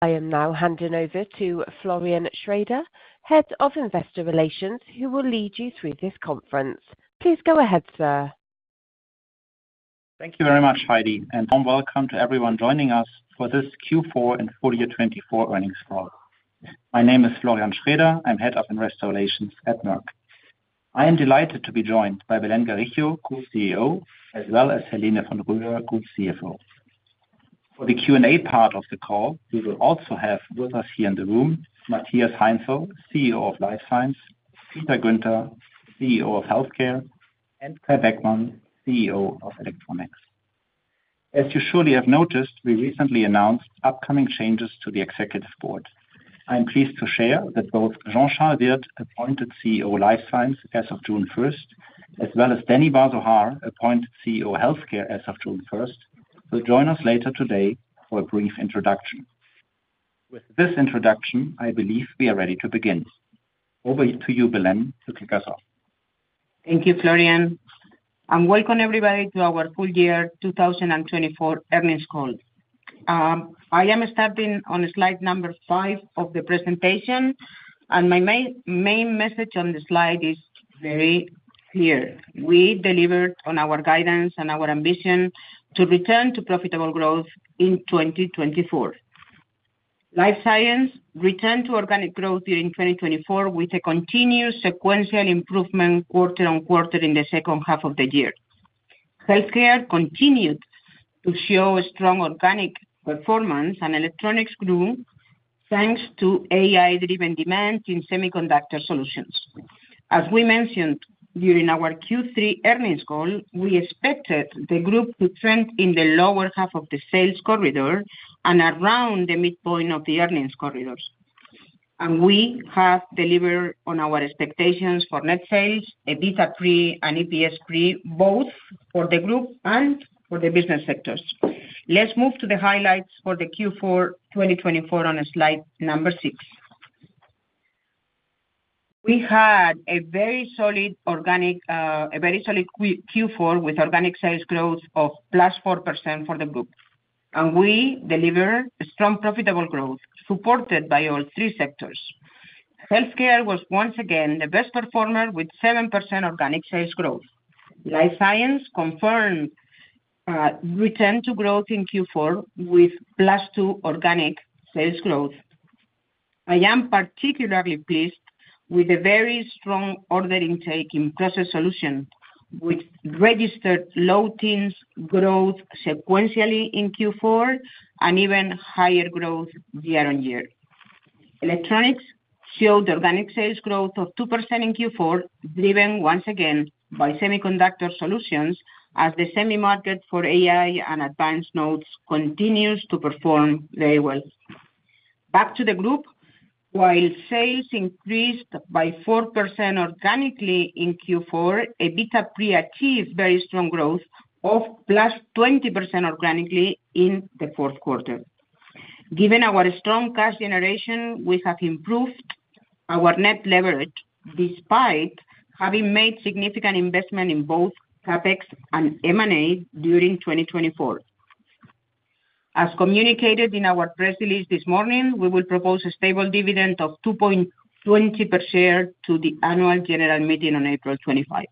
I am now handing over to Florian Schraeder, Head of Investor Relations, who will lead you through this conference. Please go ahead, sir. Thank you very much, Heidi, and warm welcome to everyone joining us for this Q4 and full year 2024 earnings call. My name is Florian Schraeder. I'm Head of Investor Relations at Merck. I am delighted to be joined by Belén Garijo, CEO, as well as Helene von Roeder, Group CFO. For the Q&A part of the call, we will also have with us here in the room Matthias Heinzel, CEO of Life Science, Peter Guenter, CEO of Healthcare, and Kai Beckmann, CEO of Electronics. As you surely have noticed, we recently announced upcoming changes to the Executive Board. I'm pleased to share that both Jean-Charles Wirth, appointed CEO Life Science as of June 1st, as well as Danny Bar-Zohar, appointed CEO Healthcare as of June 1st, will join us later today for a brief introduction. With this introduction, I believe we are ready to begin. Over to you, Belén, to kick us off. Thank you, Florian, and welcome, everybody, to our full year 2024 earnings call. I am starting on slide number five of the presentation, and my main message on the slide is very clear. We delivered on our guidance and our ambition to return to profitable growth in 2024. Life Science returned to organic growth during 2024 with a continued sequential improvement quarter on quarter in the second half of the year. Healthcare continued to show strong organic performance, and Electronics grew thanks to AI-driven demand in Semiconductor Solutions. As we mentioned during our Q3 earnings call, we expected the group to trend in the lower half of the sales corridor and around the midpoint of the earnings corridors, and we have delivered on our expectations for net sales, EBITDA pre, and EPS pre, both for the group and for the business sectors. Let's move to the highlights for the Q4 2024 on slide number six. We had a very solid Q4 with organic sales growth of +4% for the group, and we delivered strong profitable growth supported by all three sectors. Healthcare was once again the best performer with 7% organic sales growth. Life Science confirmed return to growth in Q4 with +2% organic sales growth. I am particularly pleased with the very strong order intake in Process Solutions, which registered low-teens growth sequentially in Q4 and even higher growth year on year. Electronics showed organic sales growth of 2% in Q4, driven once again by Semiconductor Solutions, as the semi-market for AI and advanced nodes continues to perform very well. Back to the group, while sales increased by 4% organically in Q4, EBITDA pre achieved very strong growth of +20% organically in the fourth quarter. Given our strong cash generation, we have improved our net leverage despite having made significant investment in both CapEx and M&A during 2024. As communicated in our press release this morning, we will propose a stable dividend of 2.20 per share to the annual general meeting on April 25.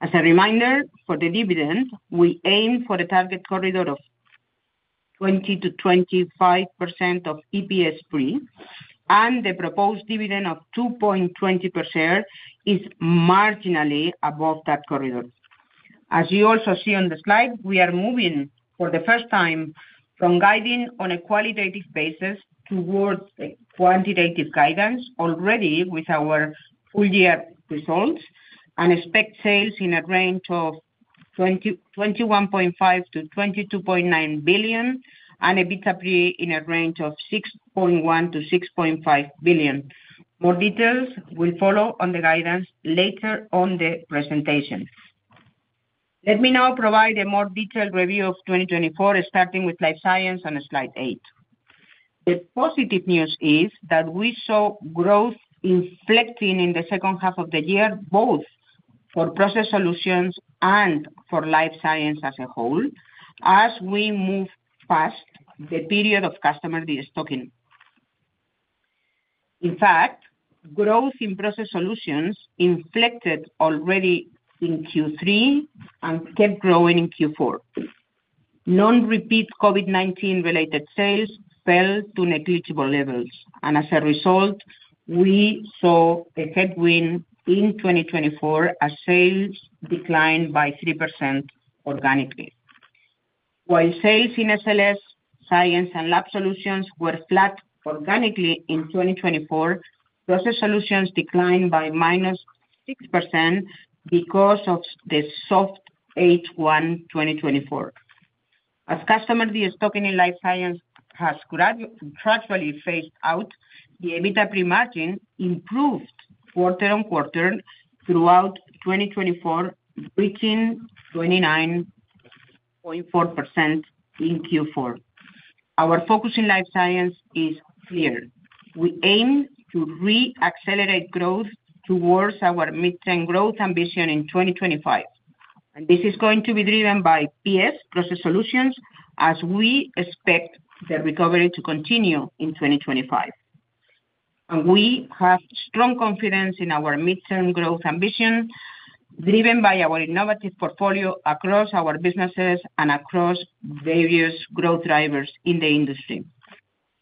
As a reminder for the dividend, we aim for the target corridor of 20-25% of EPS pre, and the proposed dividend of 2.20 per share is marginally above that corridor. As you also see on the slide, we are moving for the first time from guiding on a qualitative basis towards a quantitative guidance already with our full year results and expect sales in a range of 21.5 billion-22.9 billion and EBITDA pre in a range of 6.1 billion-6.5 billion. More details will follow on the guidance later on the presentation. Let me now provide a more detailed review of 2024, starting with Life Science on slide eight. The positive news is that we saw growth inflecting in the second half of the year, both for Process Solutions and for Life Science as a whole, as we move past the period of customer destocking. In fact, growth in Process Solutions inflected already in Q3 and kept growing in Q4. Non-repeat COVID-19 related sales fell to negligible levels, and as a result, we saw a headwind in 2024 as sales declined by 3% organically. While sales in SLS, Science, and Lab Solutions were flat organically in 2024, Process Solutions declined by -6% because of the soft H1 2024. As customer destocking in Life Science has gradually phased out, the EBITDA pre margin improved quarter on quarter throughout 2024, reaching 29.4% in Q4. Our focus in Life Science is clear. We aim to re-accelerate growth towards our mid-term growth ambition in 2025, and this is going to be driven by PS, Process Solutions, as we expect the recovery to continue in 2025, and we have strong confidence in our mid-term growth ambition, driven by our innovative portfolio across our businesses and across various growth drivers in the industry.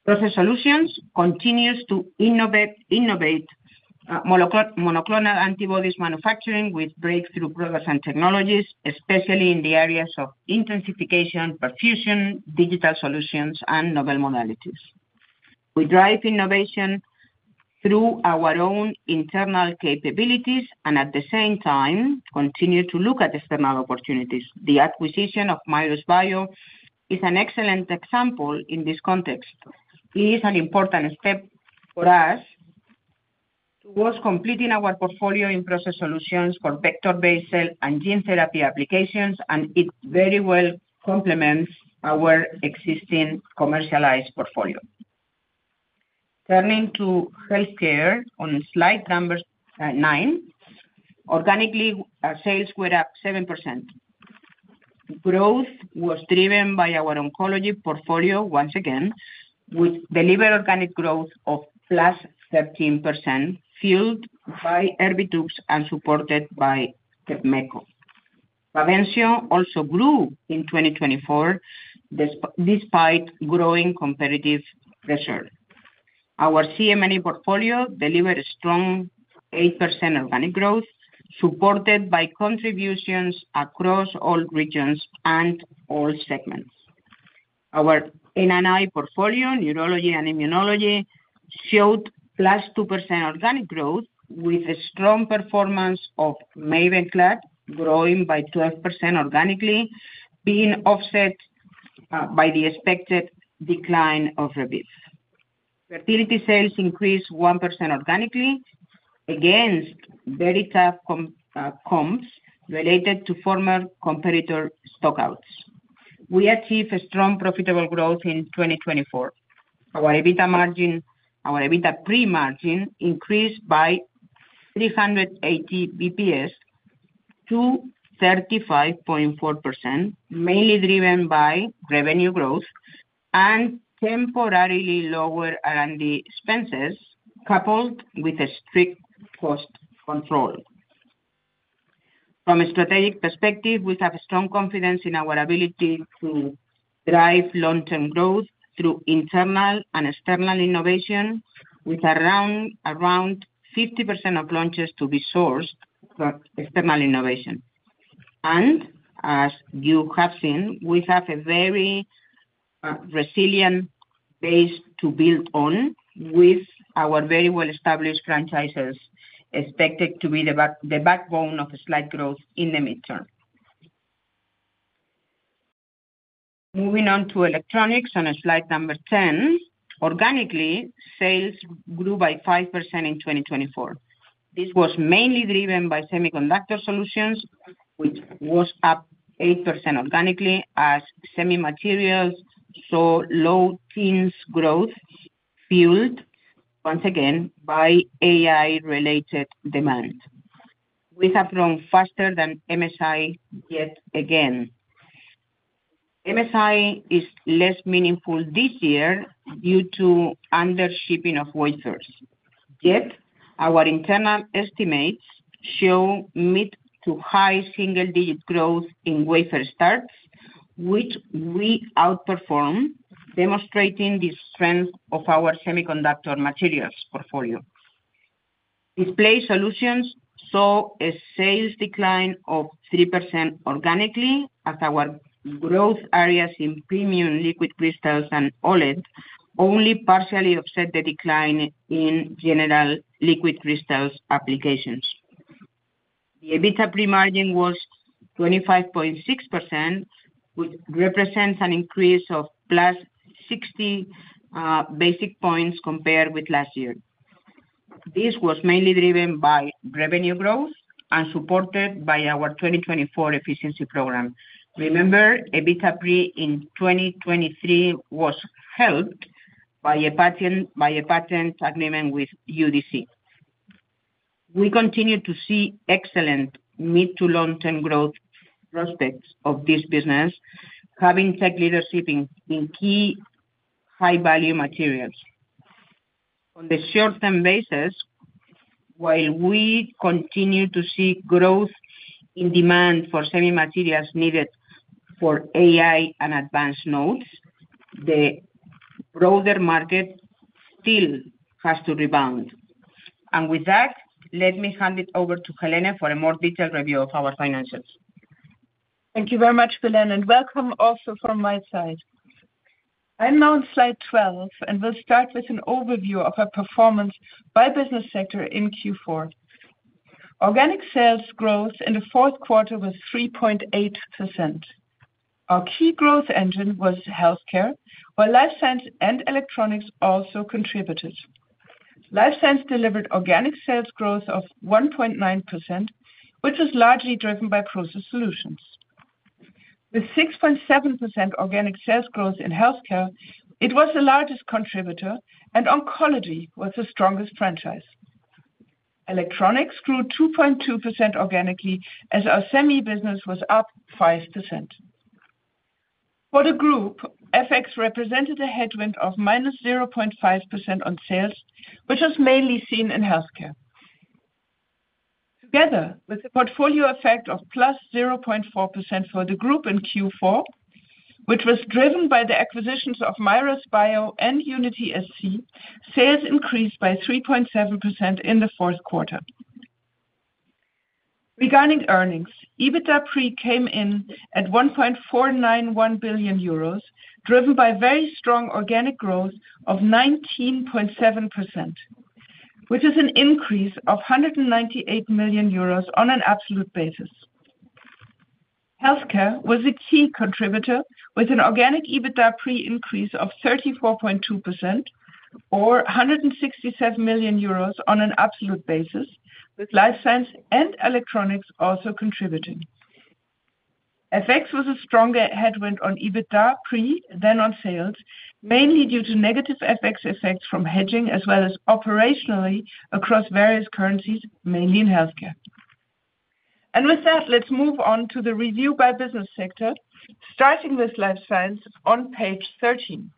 Process Solutions continue to innovate monoclonal antibodies manufacturing with breakthrough products and technologies, especially in the areas of intensification, perfusion, digital solutions, and novel modalities. We drive innovation through our own internal capabilities and at the same time continue to look at external opportunities. The acquisition of Mirus Bio is an excellent example in this context. It is an important step for us towards completing our portfolio in Process Solutions for vector-based cell and gene therapy applications, and it very well complements our existing commercialized portfolio. Turning to Healthcare on slide number nine, organically, sales were up 7%. Growth was driven by our oncology portfolio once again, which delivered organic growth of plus 13%, fueled by Erbitux and supported by Tepmetko. Prevention also grew in 2024 despite growing competitive pressure. Our CM&E portfolio delivered a strong 8% organic growth, supported by contributions across all regions and all segments. Our N&I portfolio, neurology and immunology, showed plus 2% organic growth, with a strong performance of Mavenclad, growing by 12% organically, being offset by the expected decline of Erbitux. Fertility sales increased 1% organically against very tough comps related to former competitor stockouts. We achieved a strong profitable growth in 2024. Our EBITDA pre margin increased by 380 basis points to 35.4%, mainly driven by revenue growth and temporarily lower R&D expenses, coupled with strict cost control. From a strategic perspective, we have strong confidence in our ability to drive long-term growth through internal and external innovation, with around 50% of launches to be sourced from external innovation. And as you have seen, we have a very resilient base to build on, with our very well-established franchises expected to be the backbone of slight growth in the midterm. Moving on to Electronics on slide number 10, organically, sales grew by 5% in 2024. This was mainly driven by Semiconductor Solutions, which was up 8% organically, as semi-materials saw low teens growth fueled once again by AI-related demand. We have grown faster than MSI yet again. MSI is less meaningful this year due to undershipping of wafers. Yet our internal estimates show mid to high single-digit growth in wafer starts, which we outperform, demonstrating the strength of our semiconductor materials portfolio. Display Solutions saw a sales decline of 3% organically, as our growth areas in premium liquid crystals and OLED only partially offset the decline in general liquid crystals applications. The EBITDA pre margin was 25.6%, which represents an increase of plus 60 basis points compared with last year. This was mainly driven by revenue growth and supported by our 2024 efficiency program. Remember, EBITDA pre in 2023 was helped by a patent agreement with UDC. We continue to see excellent mid to long-term growth prospects of this business, having tech leadership in key high-value materials. On the short-term basis, while we continue to see growth in demand for semi-materials needed for AI and advanced nodes, the broader market still has to rebound, and with that, let me hand it over to Helene for a more detailed review of our financials. Thank you very much, Belén, and welcome also from my side. I'm now on slide 12, and we'll start with an overview of our performance by business sector in Q4. Organic sales growth in the fourth quarter was 3.8%. Our key growth engine was Healthcare, while Life Science and Electronics also contributed. Life Science delivered organic sales growth of 1.9%, which was largely driven by Process Solutions. With 6.7% organic sales growth in Healthcare, it was the largest contributor, and oncology was the strongest franchise. Electronics grew 2.2% organically, as our semi business was up 5%. For the group, FX represented a headwind of minus 0.5% on sales, which was mainly seen in Healthcare. Together, with a portfolio effect of plus 0.4% for the group in Q4, which was driven by the acquisitions of Mirus Bio and Unity-SC, sales increased by 3.7% in the fourth quarter. Regarding earnings, EBITDA pre came in at 1.491 billion euros, driven by very strong organic growth of 19.7%, which is an increase of 198 million euros on an absolute basis. Healthcare was a key contributor, with an organic EBITDA pre increase of 34.2%, or 167 million euros on an absolute basis, with Life Science and Electronics also contributing. FX was a stronger headwind on EBITDA pre than on sales, mainly due to negative FX effects from hedging, as well as operationally across various currencies, mainly in Healthcare. And with that, let's move on to the review by business sector, starting with Life Science on page 13.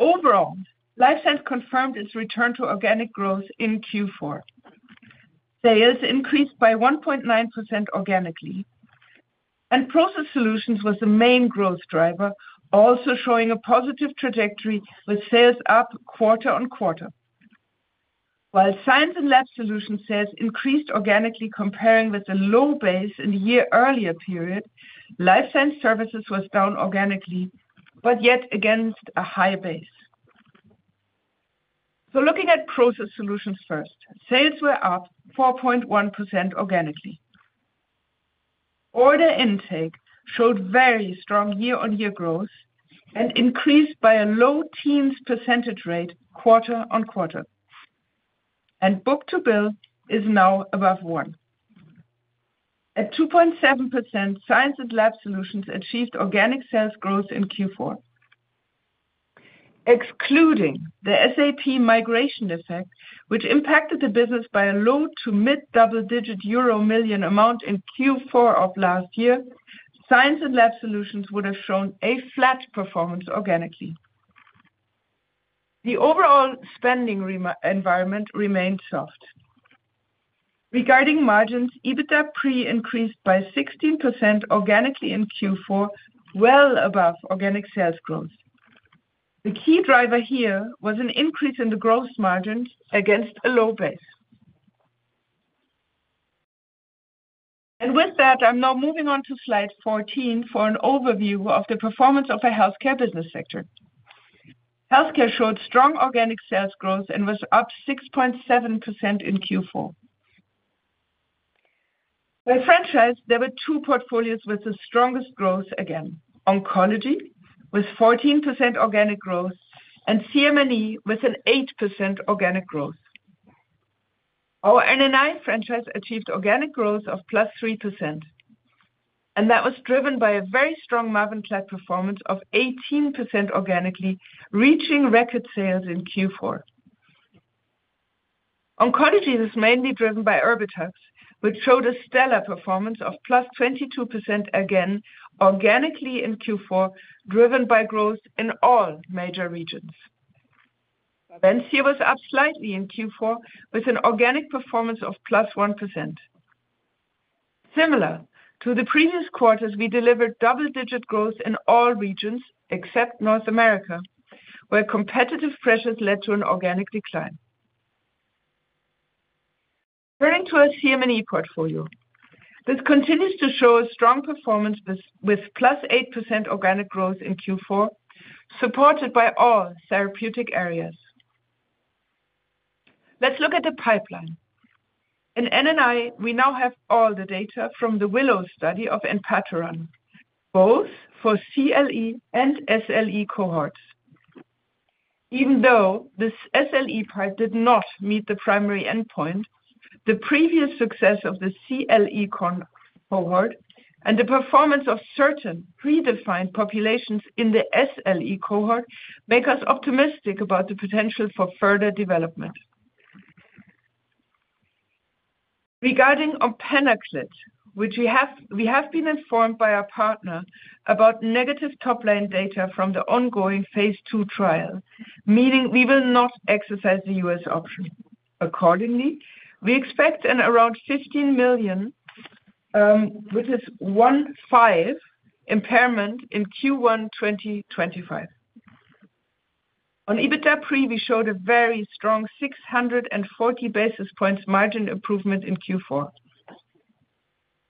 Overall, Life Science confirmed its return to organic growth in Q4. Sales increased by 1.9% organically, and Process Solutions was the main growth driver, also showing a positive trajectory with sales up quarter on quarter. While Science and Lab Solutions sales increased organically, comparing with a low base in the year earlier period, Life Science Services was down organically, but yet against a high base. So looking at Process Solutions first, sales were up 4.1% organically. Order intake showed very strong year-on-year growth and increased by a low-teens percentage rate quarter-on-quarter. And book-to-bill is now above one. At 2.7%, Science and Lab Solutions achieved organic sales growth in Q4. Excluding the SAP migration effect, which impacted the business by a low- to mid-double-digit euro million amount in Q4 of last year, Science and Lab Solutions would have shown a flat performance organically. The overall spending environment remained soft. Regarding margins, EBITDA pre increased by 16% organically in Q4, well above organic sales growth. The key driver here was an increase in the gross margin against a low base. With that, I'm now moving on to slide 14 for an overview of the performance of the Healthcare business sector. Healthcare showed strong organic sales growth and was up 6.7% in Q4. By franchise, there were two portfolios with the strongest growth again: oncology with 14% organic growth and CM&E with an 8% organic growth. Our N&I franchise achieved organic growth of plus 3%, and that was driven by a very strong Mavenclad performance of 18% organically, reaching record sales in Q4. Oncology was mainly driven by Erbitux, which showed a stellar performance of plus 22% again organically in Q4, driven by growth in all major regions. Prevention was up slightly in Q4 with an organic performance of plus 1%. Similar to the previous quarters, we delivered double-digit growth in all regions except North America, where competitive pressures led to an organic decline. Turning to our CM&E portfolio, this continues to show a strong performance with +8% organic growth in Q4, supported by all therapeutic areas. Let's look at the pipeline. In N&I, we now have all the data from the Willow study of Enpatoran, both for CLE and SLE cohorts. Even though the SLE arm did not meet the primary endpoint, the previous success of the CLE cohort and the performance of certain predefined populations in the SLE cohort make us optimistic about the potential for further development. Regarding Ompenaclid, we have been informed by our partner about negative top-line data from the ongoing Phase 2 trial, meaning we will not exercise the U.S. option. Accordingly, we expect around 15 million, which is 15 impairment in Q1 2025. On EBITDA pre, we showed a very strong 640 basis points margin improvement in Q4.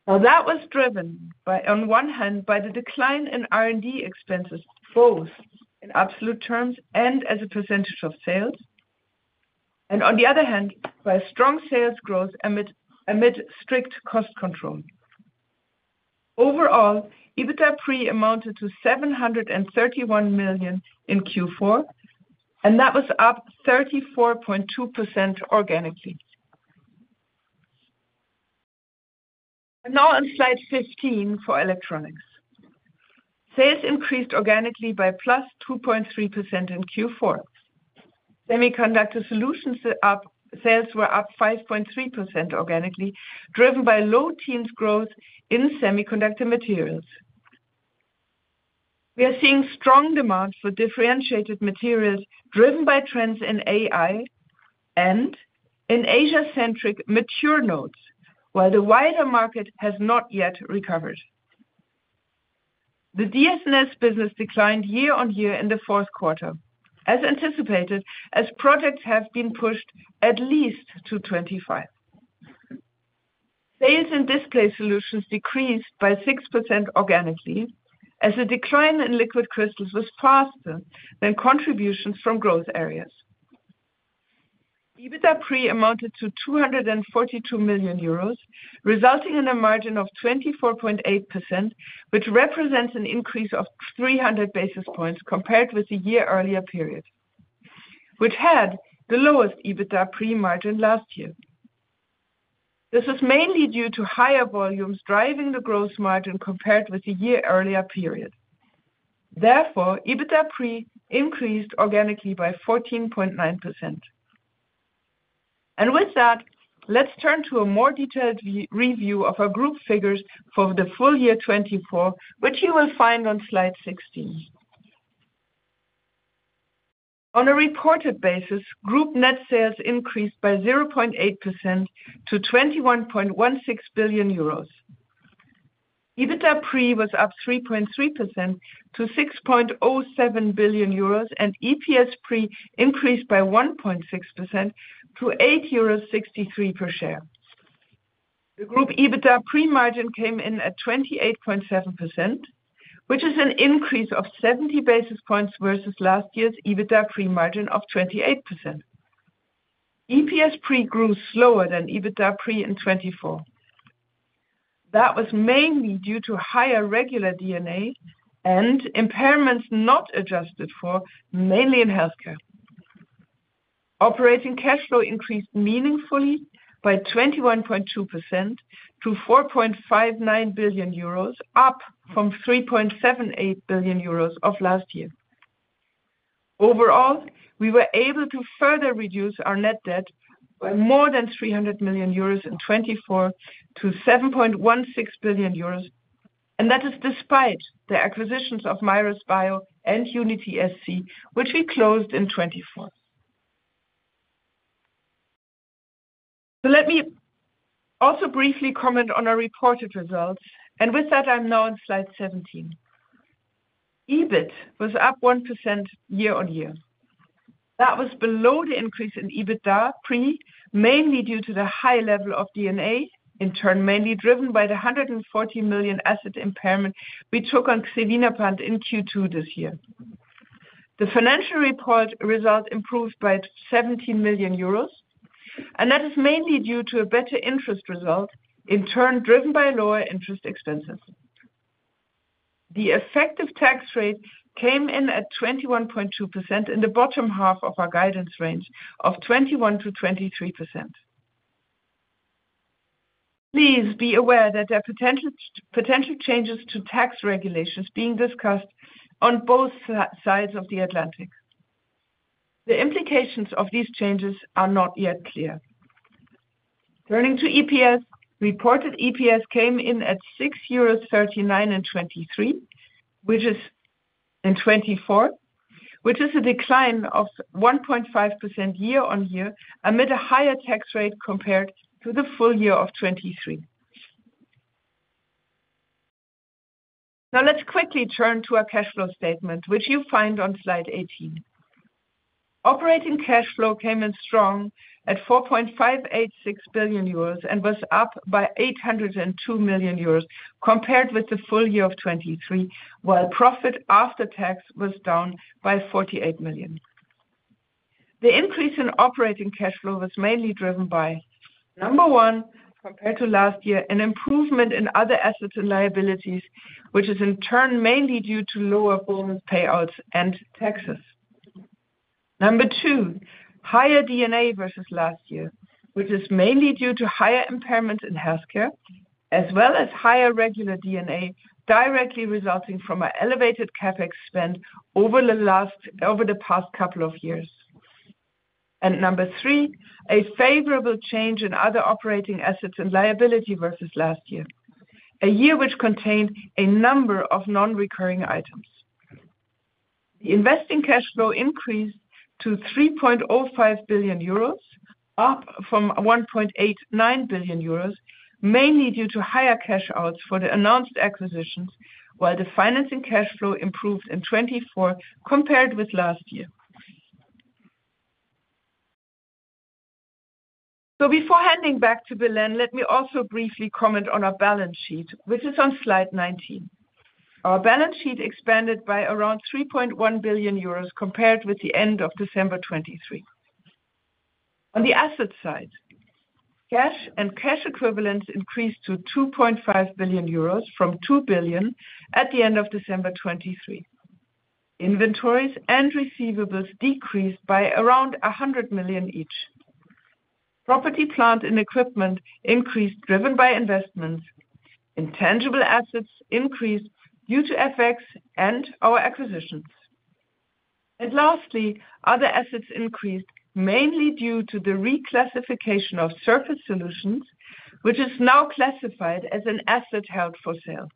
Now, that was driven on one hand by the decline in R&D expenses, both in absolute terms and as a percentage of sales, and on the other hand, by strong sales growth amid strict cost control. Overall, EBITDA pre amounted to 731 million in Q4, and that was up 34.2% organically. Now, on slide 15 for Electronics, sales increased organically by plus 2.3% in Q4. Semiconductor Solutions sales were up 5.3% organically, driven by low teens growth in semiconductor materials. We are seeing strong demand for differentiated materials driven by trends in AI and in Asia-centric mature nodes, while the wider market has not yet recovered. The DS&S business declined year on year in the fourth quarter, as anticipated, as projects have been pushed at least to 2025. Sales in Display Solutions decreased by 6% organically, as the decline in liquid crystals was faster than contributions from growth areas. EBITDA pre amounted to 242 million euros, resulting in a margin of 24.8%, which represents an increase of 300 basis points compared with the year earlier period, which had the lowest EBITDA pre margin last year. This was mainly due to higher volumes driving the gross margin compared with the year earlier period. Therefore, EBITDA pre increased organically by 14.9%. And with that, let's turn to a more detailed review of our group figures for the full year 2024, which you will find on slide 16. On a reported basis, group net sales increased by 0.8% to 21.16 billion euros. EBITDA pre was up 3.3% to 6.07 billion euros, and EPS pre increased by 1.6% to 8.63 euros per share. The group EBITDA pre margin came in at 28.7%, which is an increase of 70 basis points versus last year's EBITDA pre margin of 28%. EPS pre grew slower than EBITDA pre in 2024. That was mainly due to higher regular D&A and impairments not adjusted for, mainly in Healthcare. Operating cash flow increased meaningfully by 21.2% to 4.59 billion euros, up from 3.78 billion euros of last year. Overall, we were able to further reduce our net debt by more than 300 million euros in 2024 to 7.16 billion euros, and that is despite the acquisitions of Mirus Bio and Unity-SC, which we closed in 2024. So let me also briefly comment on our reported results, and with that, I'm now on slide 17. EBIT was up 1% year on year. That was below the increase in EBITDA, mainly due to the high level of D&A, in turn mainly driven by the 140 million asset impairment we took on Xevinapant in Q2 this year. The financial report result improved by 17 million euros, and that is mainly due to a better interest result, in turn driven by lower interest expenses. The effective tax rate came in at 21.2% in the bottom half of our guidance range of 21%-23%. Please be aware that there are potential changes to tax regulations being discussed on both sides of the Atlantic. The implications of these changes are not yet clear. Turning to EPS, reported EPS came in at 6.39 euros in 2023, which is in 2024, which is a decline of 1.5% year on year amid a higher tax rate compared to the full year of 2023. Now, let's quickly turn to our cash flow statement, which you find on slide 18. Operating cash flow came in strong at 4.586 billion euros and was up by 802 million euros compared with the full year of 2023, while profit after tax was down by 48 million. The increase in operating cash flow was mainly driven by, number one, compared to last year, an improvement in other assets and liabilities, which is in turn mainly due to lower payouts and taxes. Number two, higher D&A versus last year, which is mainly due to higher impairments in Healthcare, as well as higher regular D&A directly resulting from our elevated CapEx spend over the past couple of years. And number three, a favorable change in other operating assets and liability versus last year, a year which contained a number of non-recurring items. The investing cash flow increased to 3.05 billion euros, up from 1.89 billion euros, mainly due to higher cash outs for the announced acquisitions, while the financing cash flow improved in 2024 compared with last year. So before handing back to Belén, let me also briefly comment on our balance sheet, which is on slide 19. Our balance sheet expanded by around 3.1 billion euros compared with the end of December 2023. On the asset side, cash and cash equivalents increased to 2.5 billion euros from 2 billion at the end of December 2023. Inventories and receivables decreased by around 100 million each. Property, plant, and equipment increased driven by investments. Intangible assets increased due to FX and our acquisitions. And lastly, other assets increased mainly due to the reclassification of Surface Solutions, which is now classified as an asset held for sale.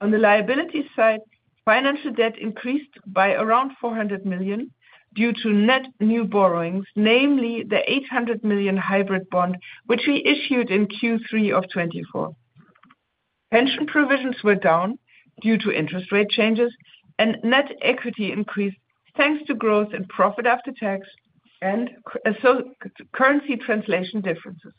On the liability side, financial debt increased by around 400 million due to net new borrowings, namely the 800 million hybrid bond, which we issued in Q3 of 2024. Pension provisions were down due to interest rate changes, and net equity increased thanks to growth in profit after tax and currency translation differences.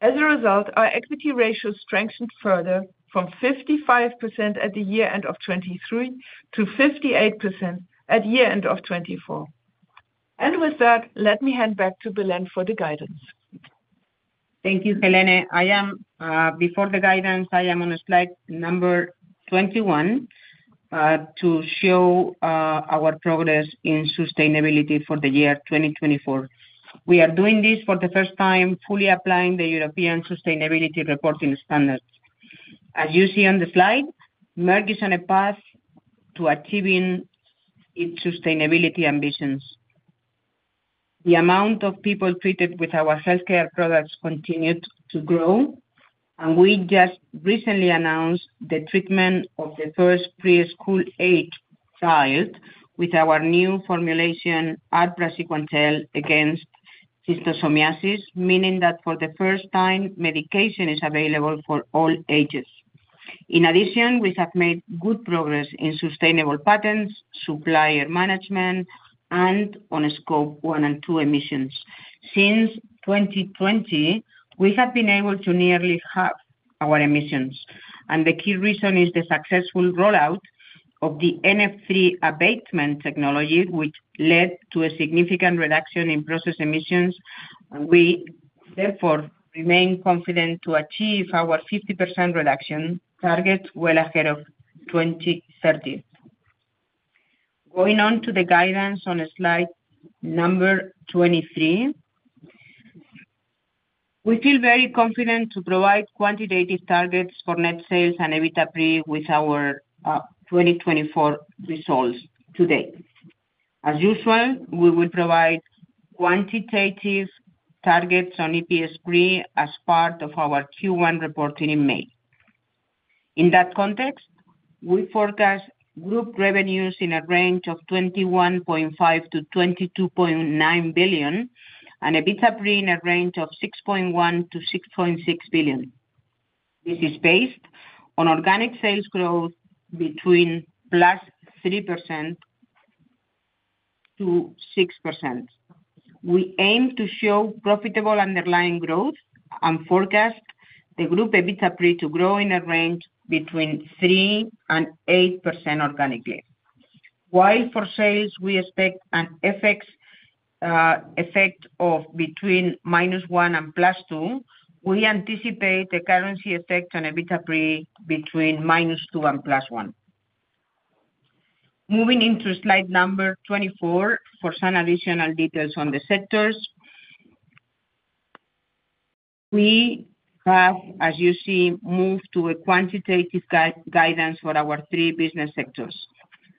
As a result, our equity ratio strengthened further from 55% at the year end of 2023 to 58% at year end of 2024. And with that, let me hand back to Belén for the guidance. Thank you, Helene. Before the guidance, I am on slide number 21 to show our progress in sustainability for the year 2024. We are doing this for the first time, fully applying the European Sustainability Reporting Standards. As you see on the slide, Merck is on a path to achieving its sustainability ambitions. The amount of people treated with our Healthcare products continued to grow, and we just recently announced the treatment of the first preschool-age child with our new formulation, praziquantel against schistosomiasis, meaning that for the first time, medication is available for all ages. In addition, we have made good progress in sustainable patents, supplier management, and on Scope 1 and 2 emissions. Since 2020, we have been able to nearly halve our emissions, and the key reason is the successful rollout of the NF3 abatement technology, which led to a significant reduction in process emissions, and we therefore remain confident to achieve our 50% reduction target well ahead of 2030. Going on to the guidance on slide number 23, we feel very confident to provide quantitative targets for net sales and EBITDA pre with our 2024 results today. As usual, we will provide quantitative targets on EPS pre as part of our Q1 reporting in May. In that context, we forecast group revenues in a range of 21.5 billion-22.9 billion and EBITDA pre in a range of 6.1-6.6 billion. This is based on organic sales growth between +3% to 6%. We aim to show profitable underlying growth and forecast the group EBITDA pre to grow in a range between 3% and 8% organically. While for sales, we expect an FX effect of between -1% and +2%, we anticipate the currency effect on EBITDA pre between -2% and +1%. Moving into slide number 24 for some additional details on the sectors, we have, as you see, moved to a quantitative guidance for our three business sectors.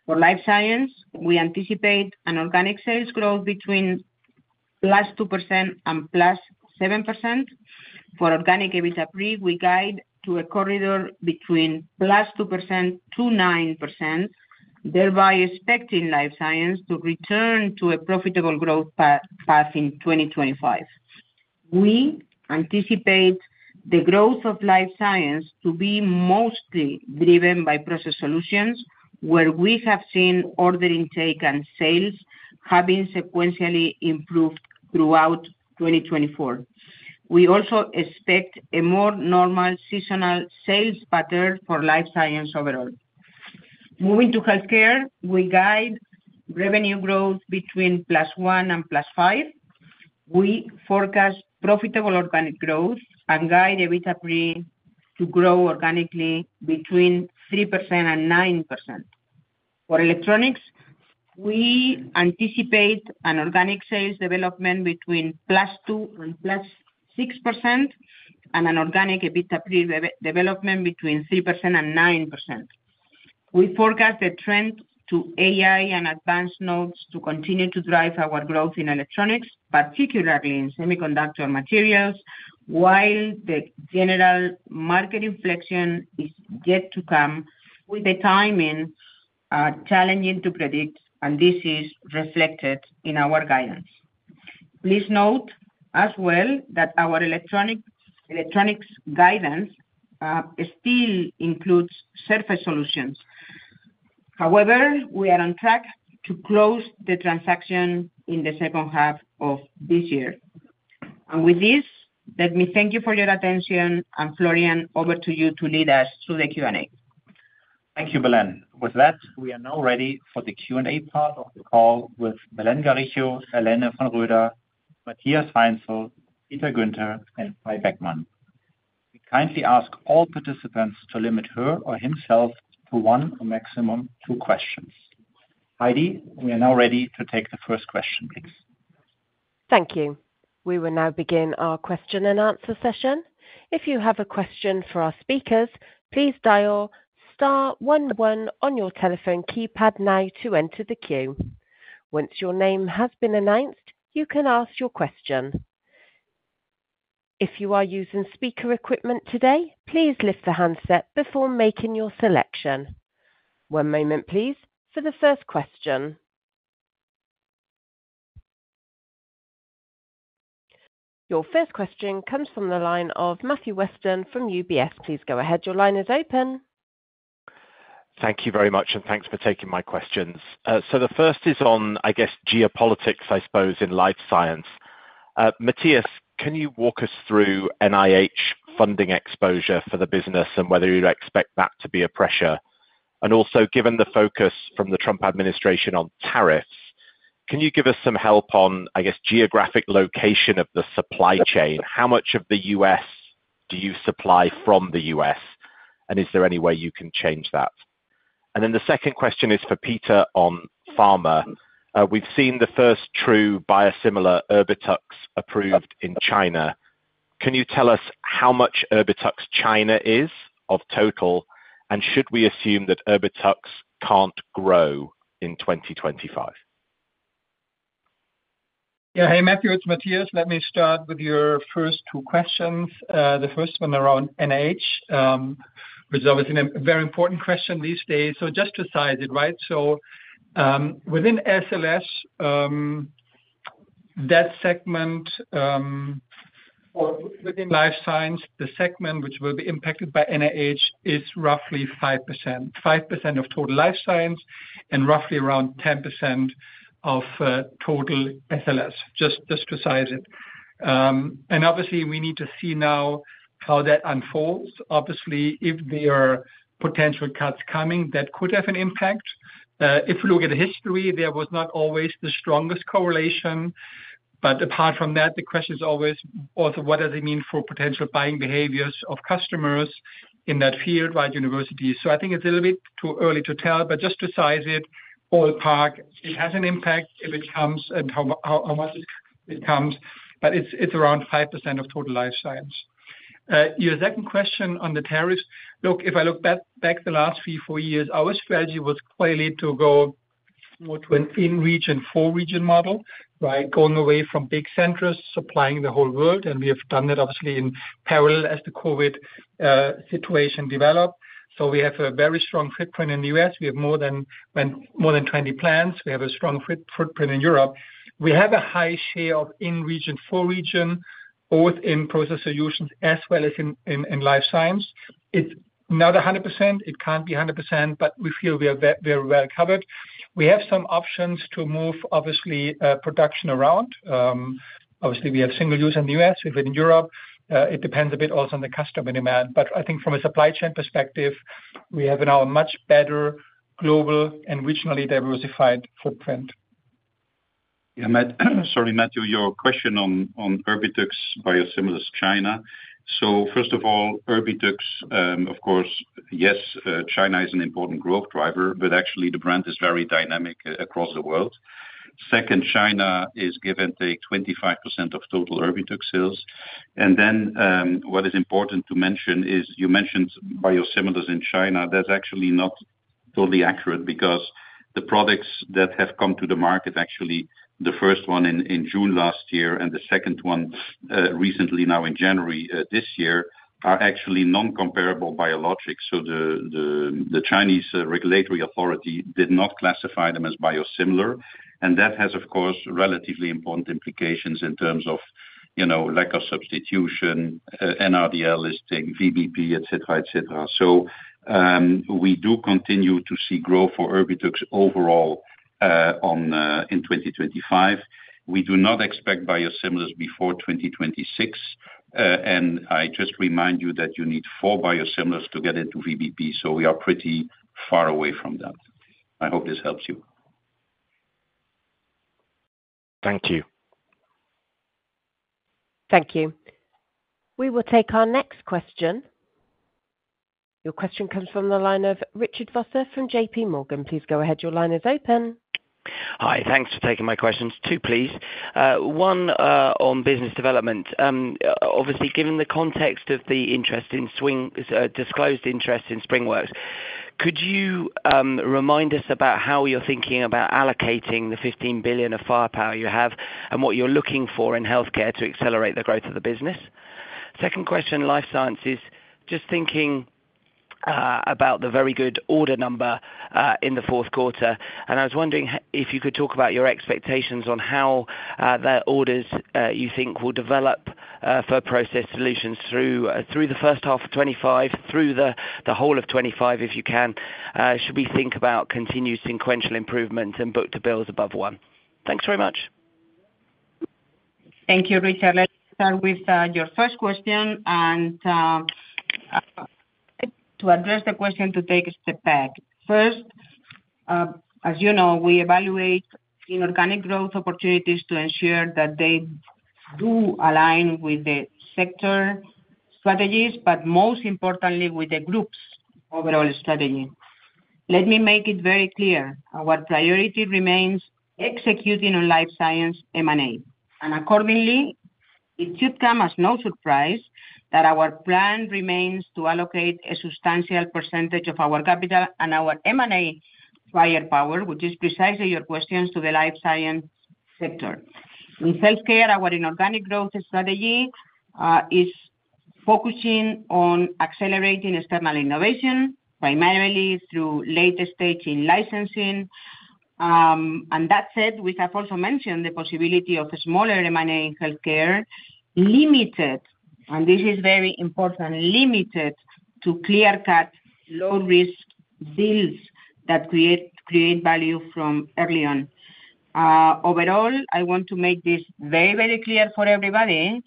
For Life Science, we anticipate an organic sales growth between +2% and +7%. For organic EBITDA pre, we guide to a corridor between +2% to 9%, thereby expecting Life Science to return to a profitable growth path in 2025. We anticipate the growth of Life Science to be mostly driven by Process Solutions, where we have seen order intake and sales have been sequentially improved throughout 2024. We also expect a more normal seasonal sales pattern for Life Science overall. Moving to Healthcare, we guide revenue growth between +1% and +5%. We forecast profitable organic growth and guide EBITDA pre to grow organically between 3% and 9%. For Electronics, we anticipate an organic sales development between +2% and +6% and an organic EBITDA pre development between 3% and 9%. We forecast a trend to AI and advanced nodes to continue to drive our growth in Electronics, particularly in semiconductor materials, while the general market inflection is yet to come, with the timing challenging to predict, and this is reflected in our guidance. Please note as well that our Electronics guidance still includes Surface Solutions. However, we are on track to close the transaction in the second half of this year, and with this, let me thank you for your attention, and Florian, over to you to lead us through the Q&A. Thank you, Belén. With that, we are now ready for the Q&A part of the call with Belén Garijo, Helene von Roeder, Matthias Heinzel, Peter Guenter, and Kai Beckmann. We kindly ask all participants to limit her or himself to one or maximum two questions. Heidi, we are now ready to take the first question, please. Thank you. We will now begin our question and answer session. If you have a question for our speakers, please dial star 11 on your telephone keypad now to enter the queue. Once your name has been announced, you can ask your question. If you are using speaker equipment today, please lift the handset before making your selection. One moment, please, for the first question. Your first question comes from the line of Matthew Weston from UBS. Please go ahead. Your line is open. Thank you very much, and thanks for taking my questions. So the first is on, I guess, geopolitics, I suppose, in Life Science. Matthias, can you walk us through NIH funding exposure for the business and whether you expect that to be a pressure? And also, given the focus from the Trump administration on tariffs, can you give us some help on, I guess, geographic location of the supply chain? How much of the U.S. do you supply from the U.S., and is there any way you can change that? And then the second question is for Peter on pharma. We've seen the first true biosimilar Erbitux approved in China. Can you tell us how much Erbitux China is of total, and should we assume that Erbitux can't grow in 2025? Yeah. Hey, Matthew, it's Matthias. Let me start with your first two questions. The first one around NIH, which is obviously a very important question these days. So just to size it, right? So within SLS, that segment within Life Science, the segment which will be impacted by NIH is roughly 5%, 5% of total Life Science and roughly around 10% of total SLS, just to size it. And obviously, we need to see now how that unfolds. Obviously, if there are potential cuts coming, that could have an impact. If we look at the history, there was not always the strongest correlation, but apart from that, the question is always, also, what does it mean for potential buying behaviors of customers in that field, right, university? So I think it's a little bit too early to tell, but just to size it, overall, it has an impact if it comes and how much it comes, but it's around 5% of total Life Science. Your second question on the tariffs, look, if I look back the last three, four years, our strategy was clearly to go more to an in-region, four-region model, right, going away from big centers supplying the whole world, and we have done that, obviously, in parallel as the COVID situation developed. So we have a very strong footprint in the U.S. We have more than 20 plants. We have a strong footprint in Europe. We have a high share of in-region, four-region, both in Process Solutions as well as in Life Science. It's not 100%. It can't be 100%, but we feel we are very well covered. We have some options to move, obviously, production around. Obviously, we have single use in the U.S. We have it in Europe. It depends a bit also on the customer demand, but I think from a supply chain perspective, we have now a much better global and regionally diversified footprint. Yeah, sorry, Matthew, your question on Erbitux biosimilars China. So first of all, Erbitux, of course, yes, China is an important growth driver, but actually the brand is very dynamic across the world. Second, China is given to 25% of total Erbitux sales. And then what is important to mention is you mentioned biosimilars in China. That's actually not totally accurate because the products that have come to the market, actually the first one in June last year and the second one recently now in January this year are actually non-comparable biologics. So the Chinese regulatory authority did not classify them as biosimilar, and that has, of course, relatively important implications in terms of lack of substitution, NRDL listing, VBP, etc., etc. So we do continue to see growth for Erbitux overall in 2025. We do not expect biosimilars before 2026, and I just remind you that you need four biosimilars to get into VBP, so we are pretty far away from that. I hope this helps you. Thank you. Thank you. We will take our next question. Your question comes from the line of Richard Vosser from JPMorgan. Please go ahead. Your line is open. Hi. Thanks for taking my questions. Two, please. One on business development. Obviously, given the context of the disclosed interest in SpringWorks, could you remind us about how you're thinking about allocating the $15 billion of firepower you have and what you're looking for in Healthcare to accelerate the growth of the business? Second question, life sciences, just thinking about the very good order number in the fourth quarter, and I was wondering if you could talk about your expectations on how the orders you think will develop for Process Solutions through the first half of 2025, through the whole of 2025, if you can. Should we think about continued sequential improvements and book to bills above one? Thanks very much. Thank you, Richard. Let's start with your first question. To address the question, to take a step back. First, as you know, we evaluate inorganic growth opportunities to ensure that they do align with the sector strategies, but most importantly, with the group's overall strategy. Let me make it very clear our priority remains executing on Life Science M&A. Accordingly, it should come as no surprise that our plan remains to allocate a substantial percentage of our capital and our M&A firepower, which is precisely your question to the Life Science sector. In Healthcare, our inorganic growth strategy is focusing on accelerating external innovation, primarily through late-staging licensing. That said, we have also mentioned the possibility of smaller M&A in Healthcare, limited, and this is very important, limited to clear-cut, low-risk deals that create value from early on. Overall, I want to make this very, very clear for everybody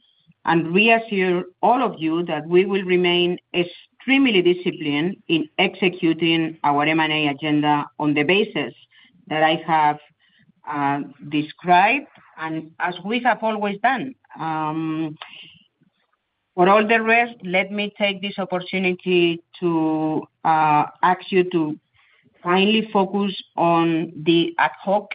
and reassure all of you that we will remain extremely disciplined in executing our M&A agenda on the basis that I have described and as we have always done. For all the rest, let me take this opportunity to ask you to kindly focus on the ad hoc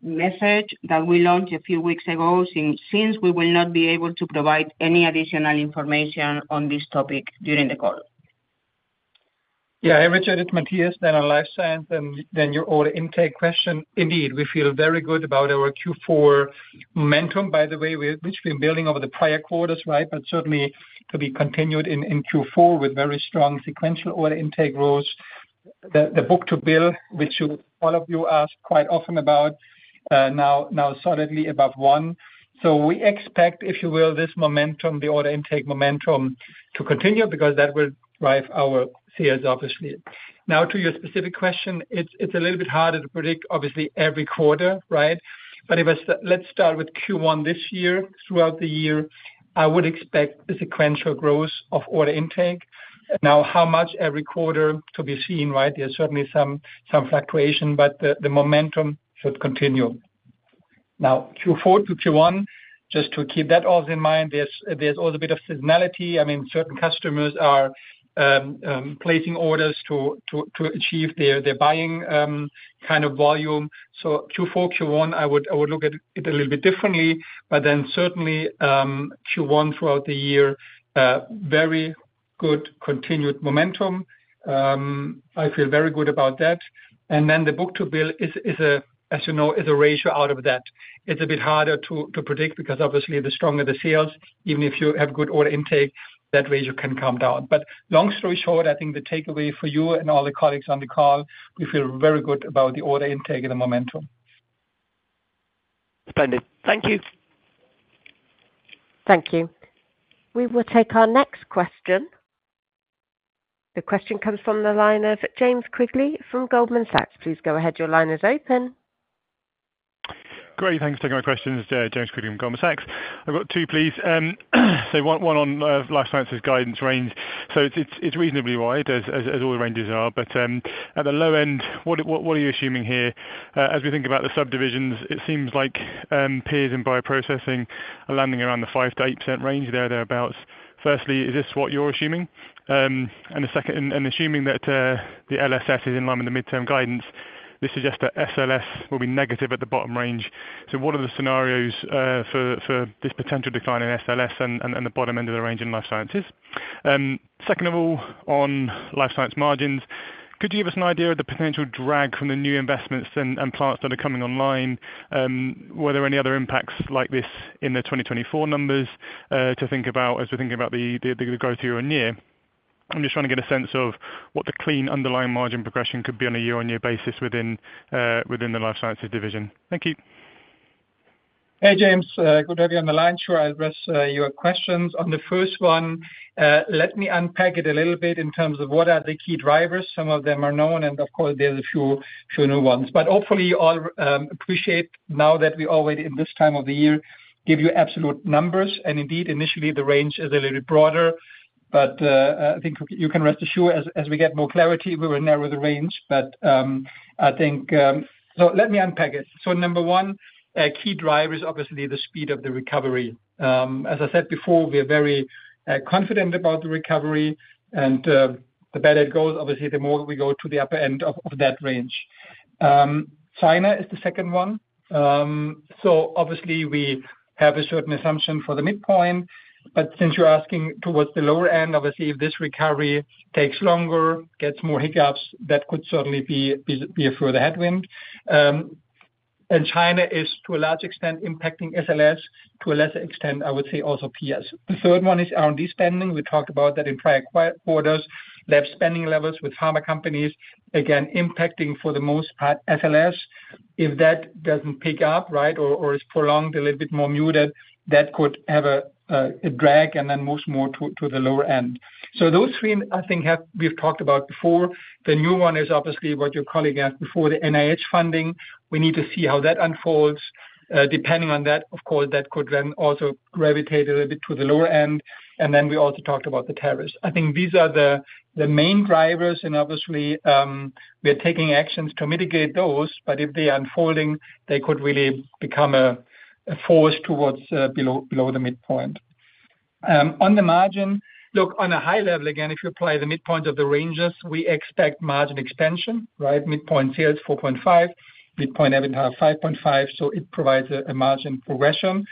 message that we launched a few weeks ago since we will not be able to provide any additional information on this topic during the call. Yeah, Richard, it's Matthias, then on Life Science, then your order intake question. Indeed, we feel very good about our Q4 momentum, by the way, which we've been building over the prior quarters, right? But certainly, to be continued in Q4 with very strong sequential order intake growth. The book to bill, which all of you asked quite often about, now solidly above one. So we expect, if you will, this momentum, the order intake momentum to continue because that will drive our sales, obviously. Now, to your specific question, it's a little bit harder to predict, obviously, every quarter, right? But let's start with Q1 this year. Throughout the year, I would expect a sequential growth of order intake. Now, how much every quarter to be seen, right? There's certainly some fluctuation, but the momentum should continue. Now, Q4 to Q1, just to keep that also in mind, there's also a bit of seasonality. I mean, certain customers are placing orders to achieve their buying kind of volume. So Q4, Q1, I would look at it a little bit differently, but then certainly Q1 throughout the year, very good continued momentum. I feel very good about that. And then the book to bill, as you know, is a ratio out of that. It's a bit harder to predict because, obviously, the stronger the sales, even if you have good order intake, that ratio can come down. But long story short, I think the takeaway for you and all the colleagues on the call, we feel very good about the order intake and the momentum. Splendid. Thank you. Thank you. We will take our next question. The question comes from the line of James Quigley from Goldman Sachs. Please go ahead. Your line is open. Great. Thanks for taking my questions, James Quigley from Goldman Sachs. I've got two, please. So one on life sciences guidance range. So it's reasonably wide as all the ranges are, but at the low end, what are you assuming here? As we think about the subdivisions, it seems like peers in bioprocessing are landing around the 5%-8% range there, thereabouts. Firstly, is this what you're assuming? And assuming that the LSS is in line with the midterm guidance, this suggests that SLS will be negative at the bottom range. What are the scenarios for this potential decline in SLS and the bottom end of the range in life sciences? Second of all, on Life Science margins, could you give us an idea of the potential drag from the new investments and plants that are coming online? Were there any other impacts like this in the 2024 numbers to think about as we're thinking about the growth year on year? I'm just trying to get a sense of what the clean underlying margin progression could be on a year-on-year basis within the life sciences division. Thank you. Hey, James. Good to have you on the line. Sure, I'll address your questions. On the first one, let me unpack it a little bit in terms of what are the key drivers. Some of them are known, and of course, there's a few new ones. Hopefully, you all appreciate now that we already, in this time of the year, give you absolute numbers. Indeed, initially, the range is a little broader, but I think you can rest assured as we get more clarity, we will narrow the range. I think so let me unpack it. Number one, key driver is obviously the speed of the recovery. As I said before, we are very confident about the recovery, and the better it goes, obviously, the more we go to the upper end of that range. China is the second one. So obviously, we have a certain assumption for the midpoint, but since you're asking towards the lower end, obviously, if this recovery takes longer, gets more hiccups, that could certainly be a further headwind. And China is, to a large extent, impacting SLS, to a lesser extent, I would say also peers. The third one is R&D spending. We talked about that in prior quarters, less spending levels with pharma companies, again, impacting for the most part SLS. If that doesn't pick up, right, or is prolonged, a little bit more muted, that could have a drag and then move more to the lower end. So those three, I think, we've talked about before. The new one is obviously what your colleague asked before, the NIH funding. We need to see how that unfolds. Depending on that, of course, that could then also gravitate a little bit to the lower end, and then we also talked about the tariffs. I think these are the main drivers, and obviously, we are taking actions to mitigate those, but if they are unfolding, they could really become a force towards below the midpoint. On the margin, look, on a high level, again, if you apply the midpoint of the ranges, we expect margin expansion, right? Midpoint sales 4.5, midpoint EBITDA 5.5, so it provides a margin progression.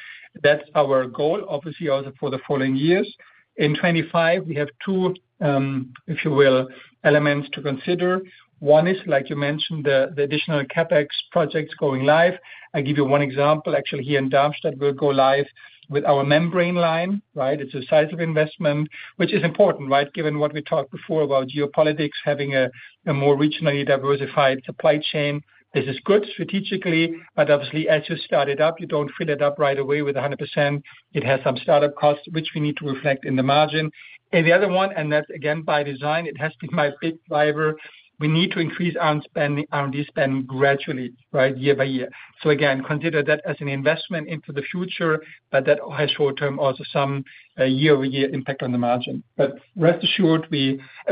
That's our goal, obviously, also for the following years. In 2025, we have two, if you will, elements to consider. One is, like you mentioned, the additional CapEx projects going live. I give you one example. Actually, here in Darmstadt, we'll go live with our membrane line, right? It's a sizable investment, which is important, right? Given what we talked before about geopolitics, having a more regionally diversified supply chain, this is good strategically, but obviously, as you start it up, you don't fill it up right away with 100%. It has some startup costs, which we need to reflect in the margin. And the other one, and that's again by design, it has been my big driver, we need to increase R&D spending gradually, right, year by year. So again, consider that as an investment into the future, but that has short-term also some year-over-year impact on the margin. But rest assured,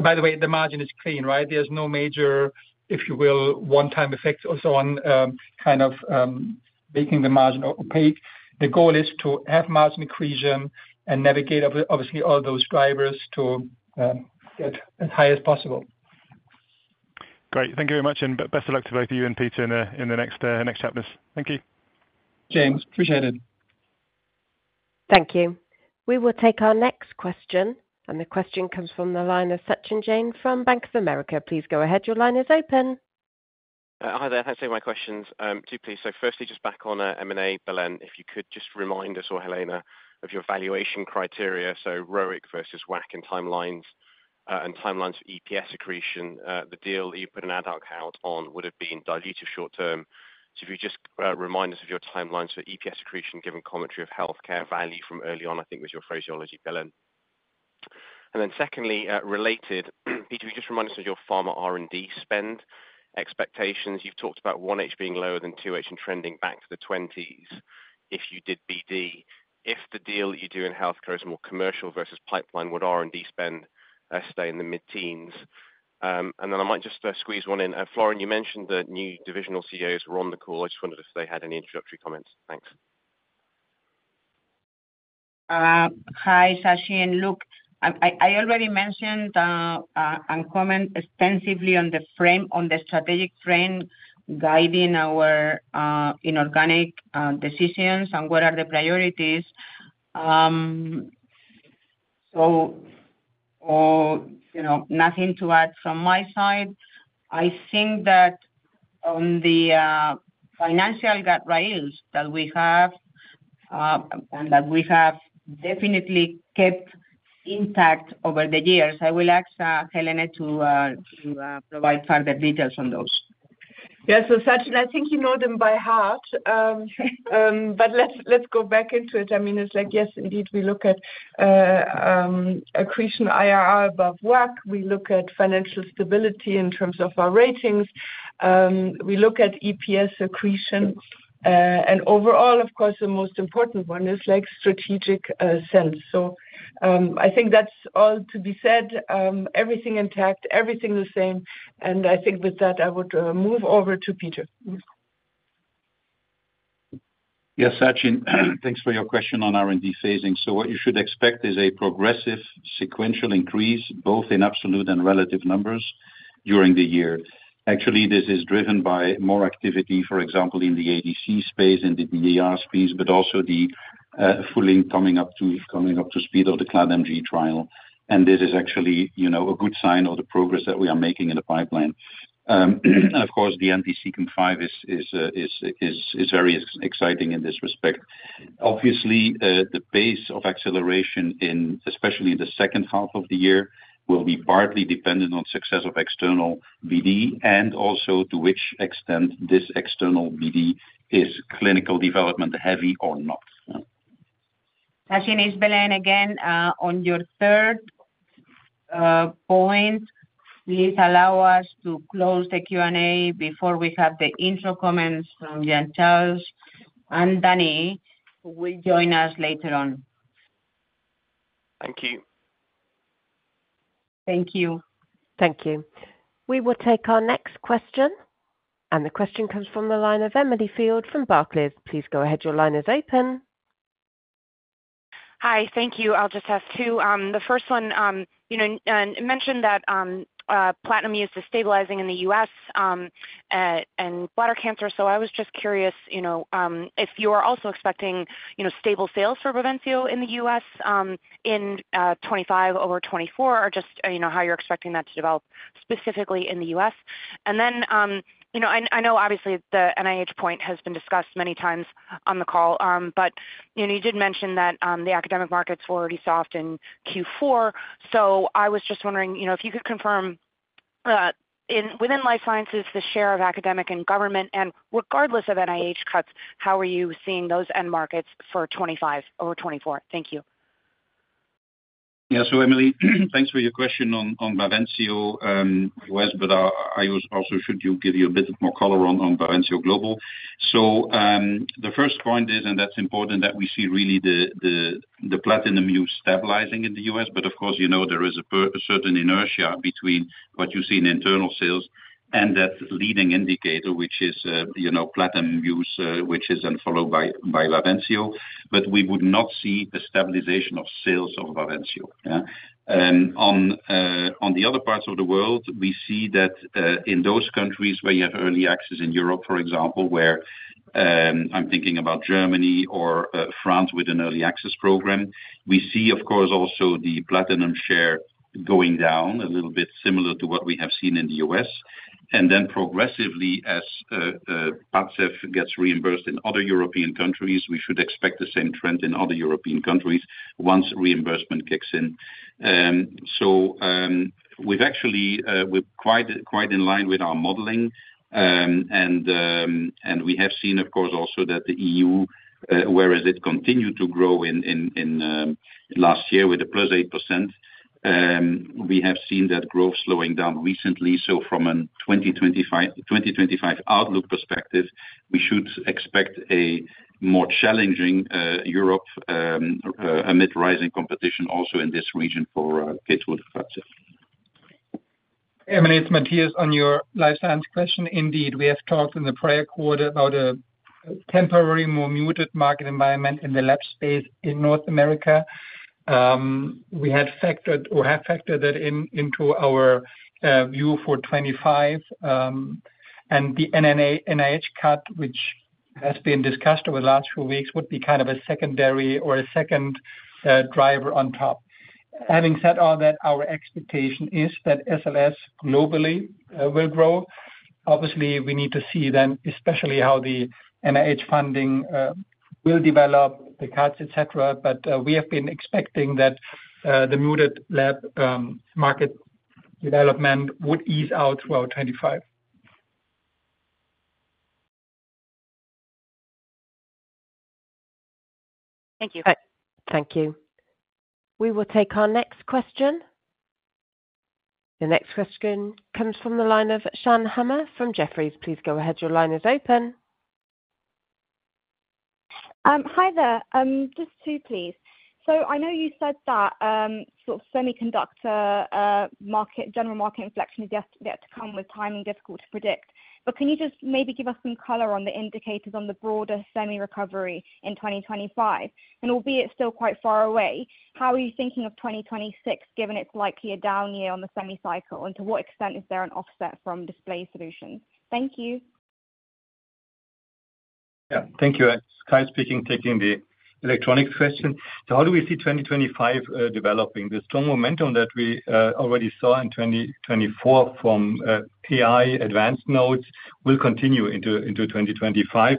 by the way, the margin is clean, right? There's no major, if you will, one-time effects or so on kind of making the margin opaque. The goal is to have margin accretion and navigate, obviously, all those drivers to get as high as possible. Great. Thank you very much, and best of luck to both of you and Peter in the next chapters. Thank you. James, appreciate it. Thank you. We will take our next question, and the question comes from the line of Sachin Jain from Bank of America. Please go ahead. Your line is open. Hi there. Thanks for taking my questions. Two pieces. So firstly, just back on M&A, Belén, if you could just remind us or Helene of your valuation criteria, so ROIC versus WACC and timelines and timelines for EPS accretion. The deal that you put an ad hoc out on would have been diluted short-term. So if you just remind us of your timelines for EPS accretion given commentary of Healthcare value from early on, I think was your phraseology, Belén. And then secondly, related, Peter, if you just remind us of your pharma R&D spend expectations. You've talked about 1H being lower than 2H and trending back to the 20s if you did BD. If the deal that you do in Healthcare is more commercial versus pipeline, would R&D spend stay in the mid-teens? And then I might just squeeze one in. Florian, you mentioned the new divisional CEOs were on the call. I just wondered if they had any introductory comments. Thanks. Hi, Sachin. Look, I already mentioned and comment extensively on the strategic frame guiding our inorganic decisions and what are the priorities. So nothing to add from my side. I think that on the financial rails that we have and that we have definitely kept intact over the years, I will ask Helene to provide further details on those. Yeah, so Sachin, I think you know them by heart, but let's go back into it. I mean, it's like, yes, indeed, we look at accretion IRR above WACC. We look at financial stability in terms of our ratings. We look at EPS accretion. And overall, of course, the most important one is strategic sense. So I think that's all to be said. Everything intact, everything the same. And I think with that, I would move over to Peter. Yes, Sachin, thanks for your question on R&D phasing. So what you should expect is a progressive sequential increase, both in absolute and relative numbers during the year. Actually, this is driven by more activity, for example, in the ADC space, in the DDR space, but also the full incoming up to speed of the CladMG trial. And this is actually a good sign of the progress that we are making in the pipeline. And of course, the NPC trial is very exciting in this respect. Obviously, the pace of acceleration, especially in the second half of the year, will be partly dependent on success of external BD and also to which extent this external BD is clinical development heavy or not. Sachin, it's Belén again on your third point. Please allow us to close the Q&A before we have the intro comments from Jean-Charles Wirth and Danny Bar-Zohar, who will join us later on. Thank you. Thank you. Thank you. We will take our next question. And the question comes from the line of Emily Field from Barclays. Please go ahead. Your line is open. Hi, thank you. I'll just ask two. The first one, you mentioned that Platinum used to stabilizing in the U.S. and bladder cancer. So I was just curious if you are also expecting stable sales for Bavencio in the U.S. in 2025 over 2024, or just how you're expecting that to develop specifically in the U.S. And then I know, obviously, the NIH point has been discussed many times on the call, but you did mention that the academic markets were already soft in Q4. I was just wondering if you could confirm within life sciences, the share of academic and government, and regardless of NIH cuts, how are you seeing those end markets for 2025 over 2024? Thank you. Yeah, Emily, thanks for your question on Bavencio U.S., but I also should give you a bit more color on Bavencio Global. So the first point is, and that's important that we see really the Platinum use stabilizing in the U.S. But of course, there is a certain inertia between what you see in instrument sales and that leading indicator, which is Platinum use, which is then followed by Bavencio. But we would not see a stabilization of sales of Bavencio. On the other parts of the world, we see that in those countries where you have early access in Europe, for example, where I'm thinking about Germany or France with an early access program, we see, of course, also the Platinum share going down a little bit similar to what we have seen in the U.S., and then progressively, as Padcev gets reimbursed in other European countries, we should expect the same trend in other European countries once reimbursement kicks in, so we're quite in line with our modeling, and we have seen, of course, also that the E.U., whereas it continued to grow in last year with a +8%, we have seen that growth slowing down recently, so from a 2025 outlook perspective, we should expect a more challenging Europe amid rising competition also in this region for KEYTRUDA and Padcev. Emily, it's Matthias on your Life Science question. Indeed, we have talked in the prior quarter about a temporary more muted market environment in the lab space in North America. We have factored that into our view for 2025, and the NIH cut, which has been discussed over the last few weeks, would be kind of a secondary or a second driver on top. Having said all that, our expectation is that SLS globally will grow. Obviously, we need to see then, especially how the NIH funding will develop, the cuts, etc., but we have been expecting that the muted lab market development would ease out throughout 2025. Thank you. Thank you. We will take our next question. The next question comes from the line of Shan Hama from Jefferies. Please go ahead. Your line is open. Hi there. Just two, please. So, I know you said that sort of semiconductor market general market inflection is yet to come with timing difficult to predict. But can you just maybe give us some color on the indicators on the broader semi recovery in 2025? And albeit still quite far away, how are you thinking of 2026 given it's likely a down year on the semi cycle? And to what extent is there an offset from Display Solutions? Thank you. Yeah, thank you. Kai speaking, taking the Electronics question. So how do we see 2025 developing? The strong momentum that we already saw in 2024 from AI advanced nodes will continue into 2025,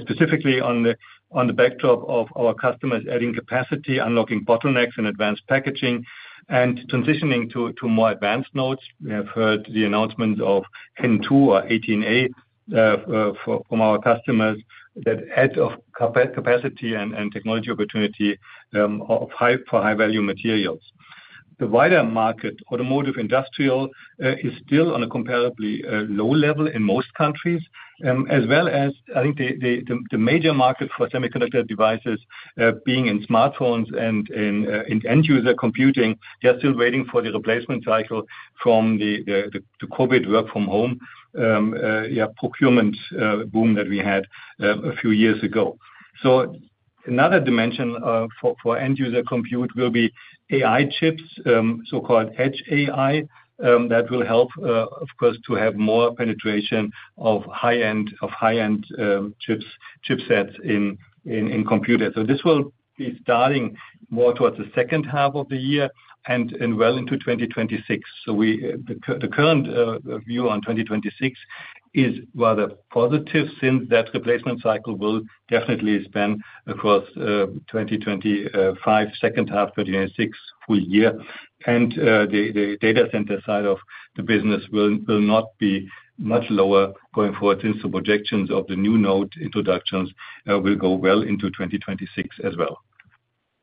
specifically on the backdrop of our customers adding capacity, unlocking bottlenecks in advanced packaging, and transitioning to more advanced nodes. We have heard the announcements of N2 or 18A from our customers that add capacity and technology opportunity for high-value materials. The wider market, automotive industrial, is still on a comparably low level in most countries, as well as I think the major market for semiconductor devices being in smartphones and in end-user computing. They are still waiting for the replacement cycle from the COVID work-from-home procurement boom that we had a few years ago. So another dimension for end-user compute will be AI chips, so-called edge AI, that will help, of course, to have more penetration of high-end chipsets in computers. So this will be starting more towards the second half of the year and well into 2026. So the current view on 2026 is rather positive since that replacement cycle will definitely span across 2025, second half, 2026 full year. The data center side of the business will not be much lower going forward since the projections of the new node introductions will go well into 2026 as well.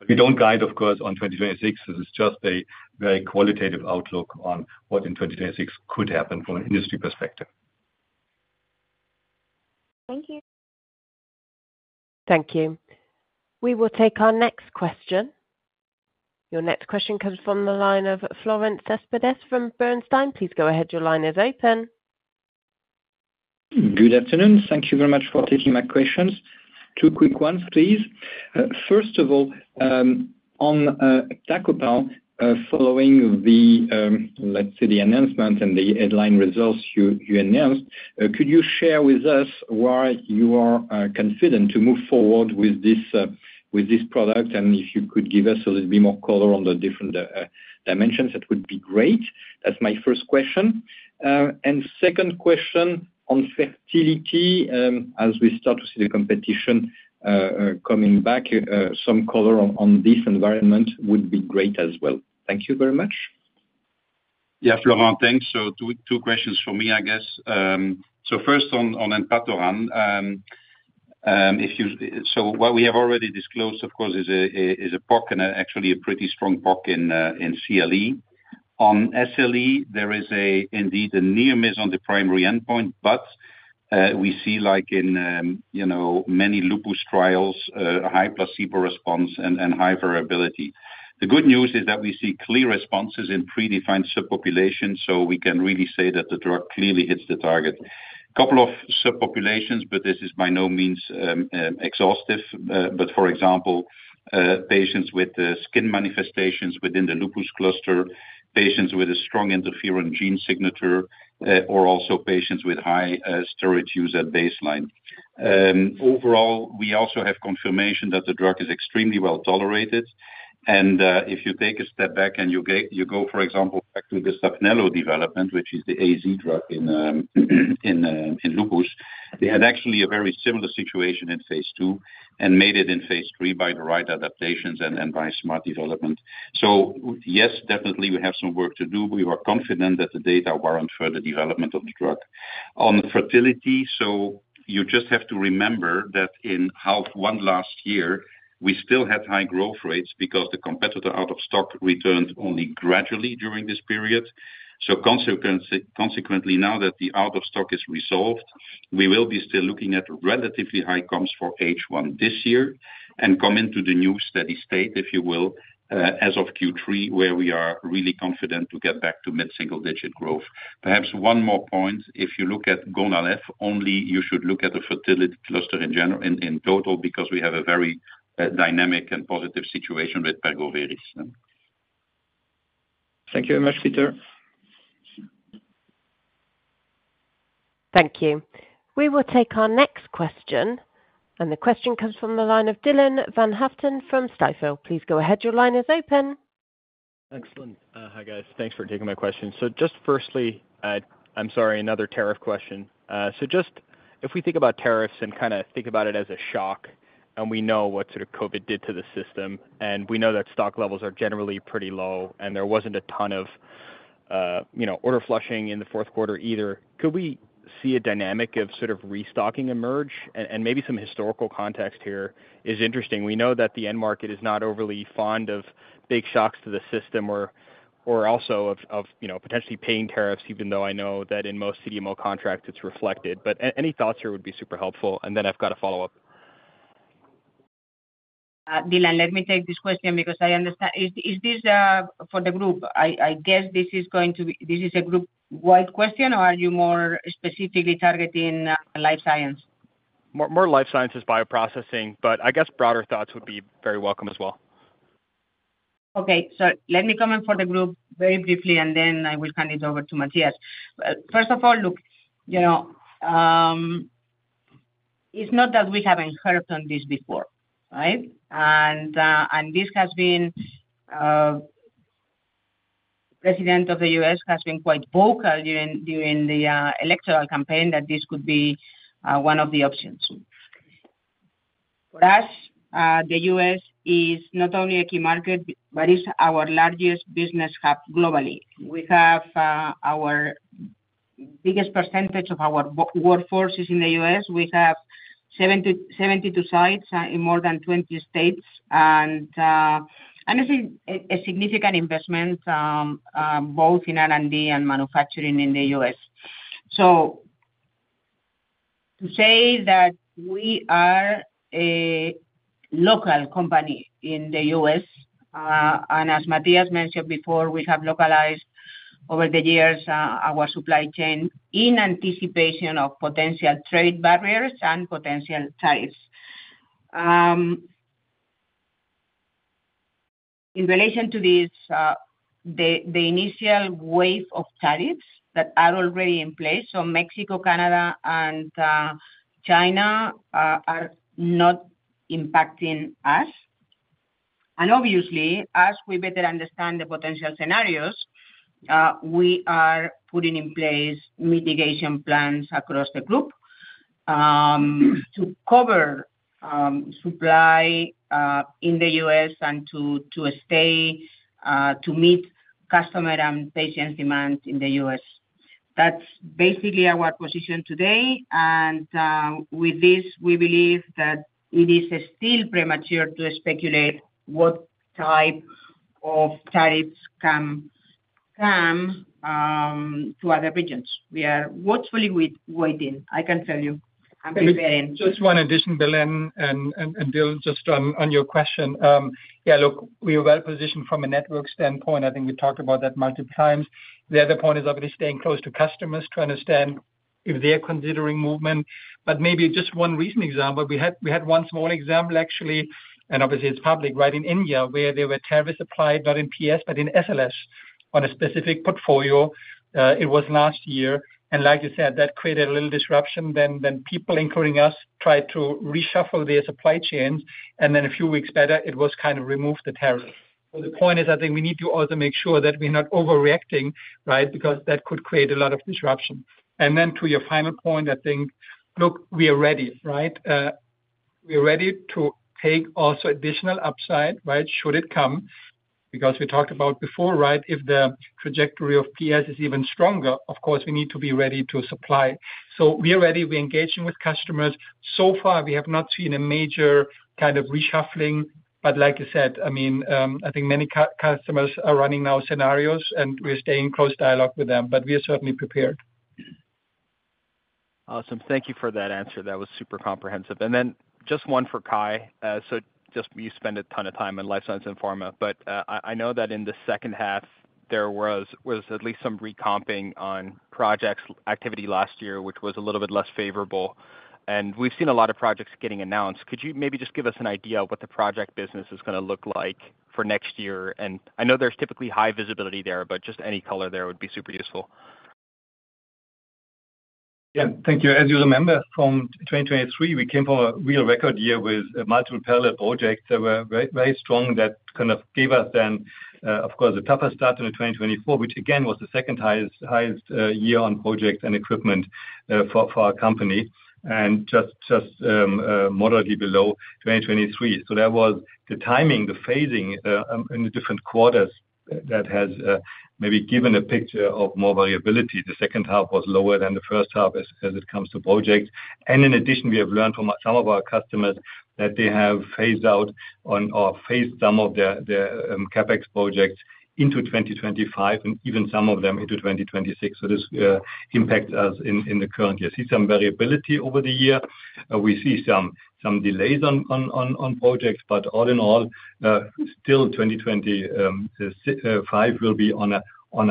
We don't guide, of course, on 2026. This is just a very qualitative outlook on what in 2026 could happen from an industry perspective. Thank you. Thank you. We will take our next question. Your next question comes from the line of Florent Cespedes from Bernstein. Please go ahead. Your line is open. Good afternoon. Thank you very much for taking my questions. Two quick ones, please. First of all, on Enpatoran, following the, let's say, the announcement and the headline results you announced, could you share with us why you are confident to move forward with this product? And if you could give us a little bit more color on the different dimensions, that would be great. That's my first question, and second question on fertility, as we start to see the competition coming back, some color on this environment would be great as well. Thank you very much. Yeah, Florent, thanks, so two questions for me, I guess, so first on Enpatoran, so what we have already disclosed, of course, is a POC and actually a pretty strong POC in CLE. On SLE, there is indeed a near miss on the primary endpoint, but we see in many lupus trials, high placebo response and high variability. The good news is that we see clear responses in predefined subpopulations, so we can really say that the drug clearly hits the target. A couple of subpopulations, but this is by no means exhaustive. But for example, patients with skin manifestations within the lupus cluster, patients with a strong interferon gene signature, or also patients with high steroid use at baseline. Overall, we also have confirmation that the drug is extremely well tolerated, and if you take a step back and you go, for example, back to the Saphnelo development, which is the AZ drug in lupus, they had actually a very similar situation in Phase 2 and made it in Phase 3 by the right adaptations and by smart development, so yes, definitely, we have some work to do. We were confident that the data warrant further development of the drug. On fertility, so you just have to remember that in Q1 last year, we still had high growth rates because the competitor out of stock returned only gradually during this period. So consequently, now that the out of stock is resolved, we will be still looking at relatively high COGS for H1 this year and come into the new steady state, if you will, as of Q3, where we are really confident to get back to mid-single digit growth. Perhaps one more point. If you look at Gonal-f only, you should look at the fertility cluster in general in total because we have a very dynamic and positive situation with Pergoveris. Thank you very much, Peter. Thank you. We will take our next question, and the question comes from the line of Dylan van Haaften from Stifel. Please go ahead. Your line is open. Excellent. Hi, guys. Thanks for taking my question. So just firstly, I'm sorry, another tariff question. So just if we think about tariffs and kind of think about it as a shock, and we know what sort of COVID did to the system, and we know that stock levels are generally pretty low, and there wasn't a ton of order flushing in the fourth quarter either. Could we see a dynamic of sort of restocking emerge? And maybe some historical context here is interesting. We know that the end market is not overly fond of big shocks to the system or also of potentially paying tariffs, even though I know that in most CDMO contracts, it's reflected. But any thoughts here would be super helpful. And then I've got a follow-up. Dylan, let me take this question because I understand. Is this for the group? I guess this is going to be a group-wide question, or are you more specifically targeting Life Science? More Life Sciences, bioprocessing, but I guess broader thoughts would be very welcome as well. Okay. So let me comment for the group very briefly, and then I will hand it over to Matthias. First of all, look, it's not that we haven't heard on this before, right? And this has been President of the U.S. has been quite vocal during the electoral campaign that this could be one of the options. For us, the U.S. is not only a key market, but it's our largest business hub globally. We have our biggest percentage of our workforces in the U.S. We have 72 sites in more than 20 states. And this is a significant investment, both in R&D and manufacturing in the U.S. So to say that we are a local company in the U.S., and as Matthias mentioned before, we have localized over the years our supply chain in anticipation of potential trade barriers and potential tariffs. In relation to this, the initial wave of tariffs that are already in place, so Mexico, Canada, and China are not impacting us. And obviously, as we better understand the potential scenarios, we are putting in place mitigation plans across the group to cover supply in the U.S. and to stay to meet customer and patient demand in the U.S. That's basically our position today. And with this, we believe that it is still premature to speculate what type of tariffs come to other regions. We are watchfully waiting. I can tell you. I'm preparing. Just one addition, Belén and Dylan, just on your question. Yeah, look, we are well positioned from a network standpoint. I think we talked about that multiple times. The other point is obviously staying close to customers to understand if they're considering movement, but maybe just one recent example. We had one small example, actually, and obviously it's public, right, in India, where there were tariffs applied, not in PS, but in SLS on a specific portfolio. It was last year, and like you said, that created a little disruption. Then people, including us, tried to reshuffle their supply chains, and then a few weeks later, it was kind of removed the tariff. But the point is, I think we need to also make sure that we're not overreacting, right, because that could create a lot of disruption. And then to your final point, I think, look, we are ready, right? We are ready to take also additional upside, right, should it come. Because we talked about before, right? If the trajectory of PS is even stronger, of course, we need to be ready to supply. So we are ready. We're engaging with customers. So far, we have not seen a major kind of reshuffling. But like you said, I mean, I think many customers are running now scenarios, and we're staying in close dialogue with them, but we are certainly prepared. Awesome. Thank you for that answer. That was super comprehensive. And then just one for Kai. So just you spend a ton of time in Life Science and pharma, but I know that in the second half, there was at least some recomping on projects activity last year, which was a little bit less favorable. And we've seen a lot of projects getting announced. Could you maybe just give us an idea of what the project business is going to look like for next year? And I know there's typically high visibility there, but just any color there would be super useful. Yeah. Thank you. As you remember, from 2023, we came from a real record year with multiple parallel projects that were very strong that kind of gave us then, of course, a tougher start in 2024, which again was the second highest year on projects and equipment for our company and just moderately below 2023. So that was the timing, the phasing in the different quarters that has maybe given a picture of more variability. The second half was lower than the first half as it comes to projects. And in addition, we have learned from some of our customers that they have phased out or phased some of their CapEx projects into 2025 and even some of them into 2026. So this impacts us in the current year. We see some variability over the year. We see some delays on projects, but all in all, still 2025 will be on a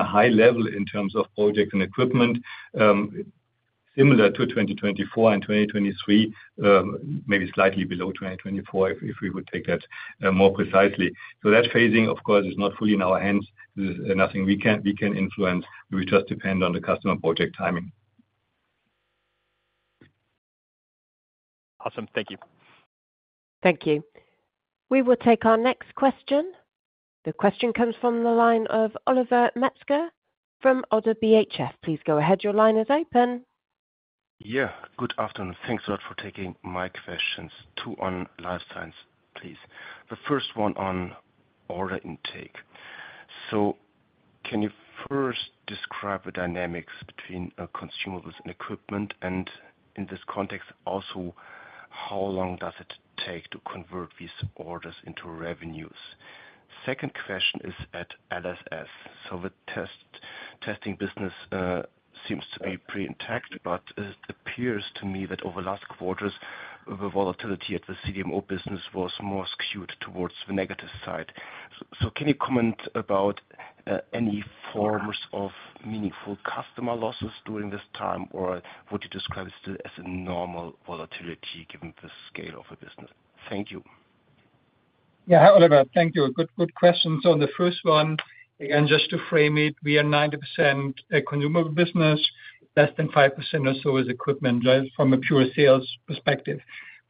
high level in terms of projects and equipment, similar to 2024 and 2023, maybe slightly below 2024 if we would take that more precisely. So that phasing, of course, is not fully in our hands. This is nothing we can influence. We just depend on the customer project timing. Awesome. Thank you. Thank you. We will take our next question. The question comes from the line of Oliver Metzger from ODDO BHF. Please go ahead. Your line is open. Yeah. Good afternoon. Thanks a lot for taking my questions. Two on Life Science, please. The first one on order intake. So can you first describe the dynamics between consumables and equipment? And in this context, also, how long does it take to convert these orders into revenues? Second question is at LSS. So the testing business seems to be pretty intact, but it appears to me that over last quarters, the volatility at the CDMO business was more skewed towards the negative side. So can you comment about any forms of meaningful customer losses during this time, or would you describe it still as a normal volatility given the scale of the business? Thank you. Yeah. Hi, Oliver. Thank you. Good question. So on the first one, again, just to frame it, we are 90% a consumable business, less than 5% or so is equipment, just from a pure sales perspective.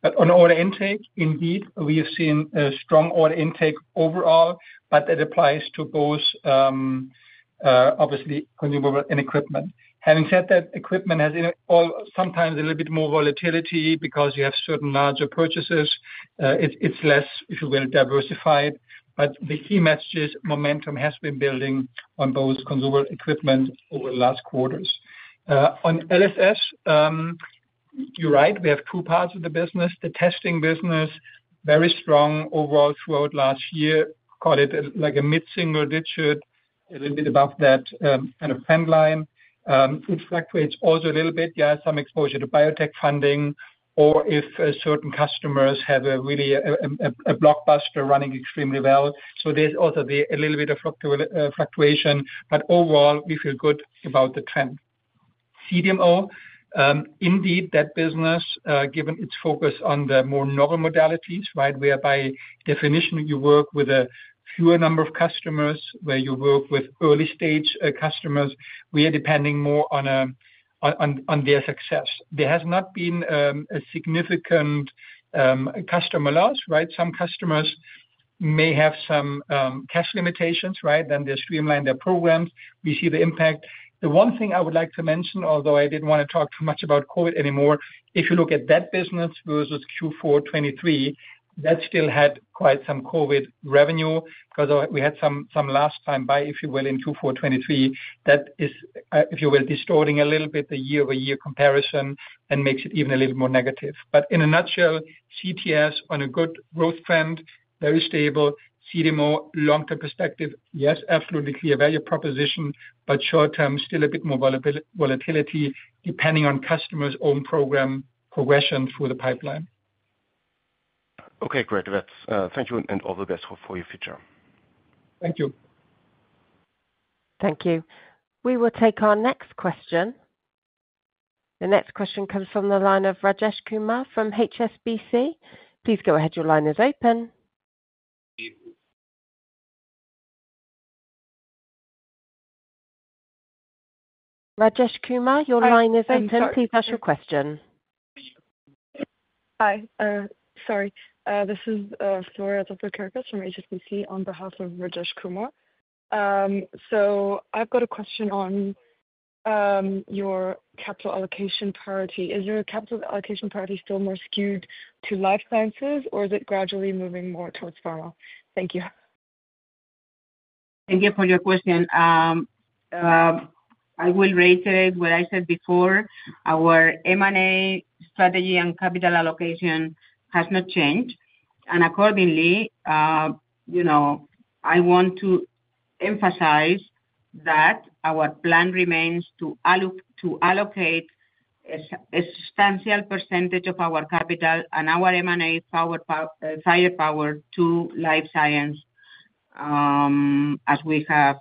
But on order intake, indeed, we have seen a strong order intake overall, but that applies to both, obviously, consumable and equipment. Having said that, equipment has sometimes a little bit more volatility because you have certain larger purchases. It's less if you were to diversify it. But the key message is momentum has been building on both consumable equipment over the last quarters. On LSS, you're right. We have two parts of the business. The testing business, very strong overall throughout last year, called it like a mid-single digit, a little bit above that kind of trend line. It fluctuates also a little bit, yeah, some exposure to biotech funding or if certain customers have really a blockbuster running extremely well. So there's also a little bit of fluctuation. But overall, we feel good about the trend. CDMO, indeed, that business, given its focus on the more novel modalities, right, where by definition, you work with a fewer number of customers, where you work with early-stage customers, we are depending more on their success. There has not been a significant customer loss, right? Some customers may have some cash limitations, right? Then they streamline their programs. We see the impact. The one thing I would like to mention, although I didn't want to talk too much about COVID anymore, if you look at that business versus Q4 2023, that still had quite some COVID revenue because we had some last time buy, if you will, in Q4 2023. That is, if you will, distorting a little bit the year-over-year comparison and makes it even a little more negative. But in a nutshell, CTS on a good growth trend, very stable. CDMO, long-term perspective, yes, absolutely clear value proposition, but short-term, still a bit more volatility depending on customers' own program progression through the pipeline. Okay. Great. Thank you and all the best for your future. Thank you. Thank you. We will take our next question. The next question comes from the line of Rajesh Kumar from HSBC. Please go ahead. Your line is open. Rajesh Kumar, your line is open. Please ask your question. Hi. Sorry. This is Floria Kerekes from HSBC on behalf of Rajesh Kumar. So I've got a question on your capital allocation priority. Is your capital allocation priority still more skewed to Life Sciences, or is it gradually moving more towards pharma? Thank you. Thank you for your question. I will reiterate what I said before. Our M&A strategy and capital allocation has not changed. And accordingly, I want to emphasize that our plan remains to allocate a substantial percentage of our capital and our M&A firepower to Life Science, as we have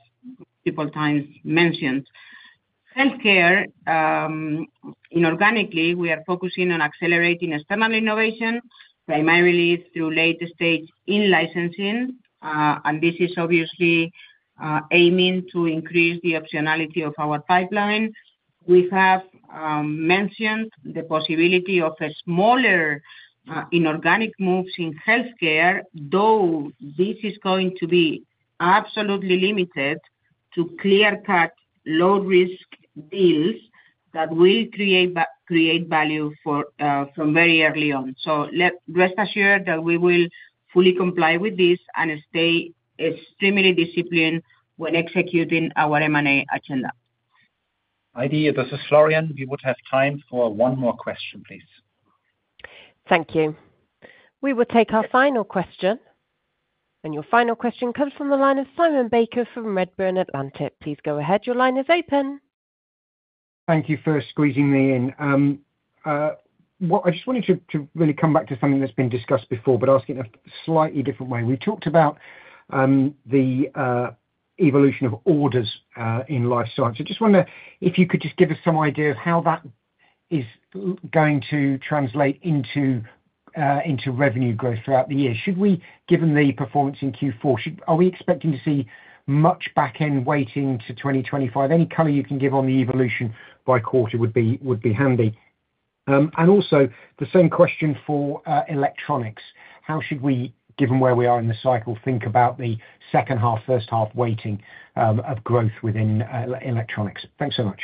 several times mentioned. Healthcare, inorganically, we are focusing on accelerating external innovation, primarily through late-stage in-licensing. And this is obviously aiming to increase the optionality of our pipeline. We have mentioned the possibility of smaller inorganic moves in Healthcare, though this is going to be absolutely limited to clear-cut, low-risk deals that will create value from very early on. So rest assured that we will fully comply with this and stay extremely disciplined when executing our M&A agenda. Heidi, this is Florian. We would have time for one more question, please. Thank you. We will take our final question. And your final question comes from the line of Simon Baker from Redburn Atlantic. Please go ahead. Your line is open. Thank you for squeezing me in. I just wanted to really come back to something that's been discussed before, but ask it in a slightly different way. We talked about the evolution of orders in Life Science. I just wonder if you could just give us some idea of how that is going to translate into revenue growth throughout the year. Given the performance in Q4, are we expecting to see much back-end weighting to 2025? Any color you can give on the evolution by quarter would be handy. And also, the same question for Electronics. How should we, given where we are in the cycle, think about the second half, first half weighting of growth within Electronics? Thanks so much.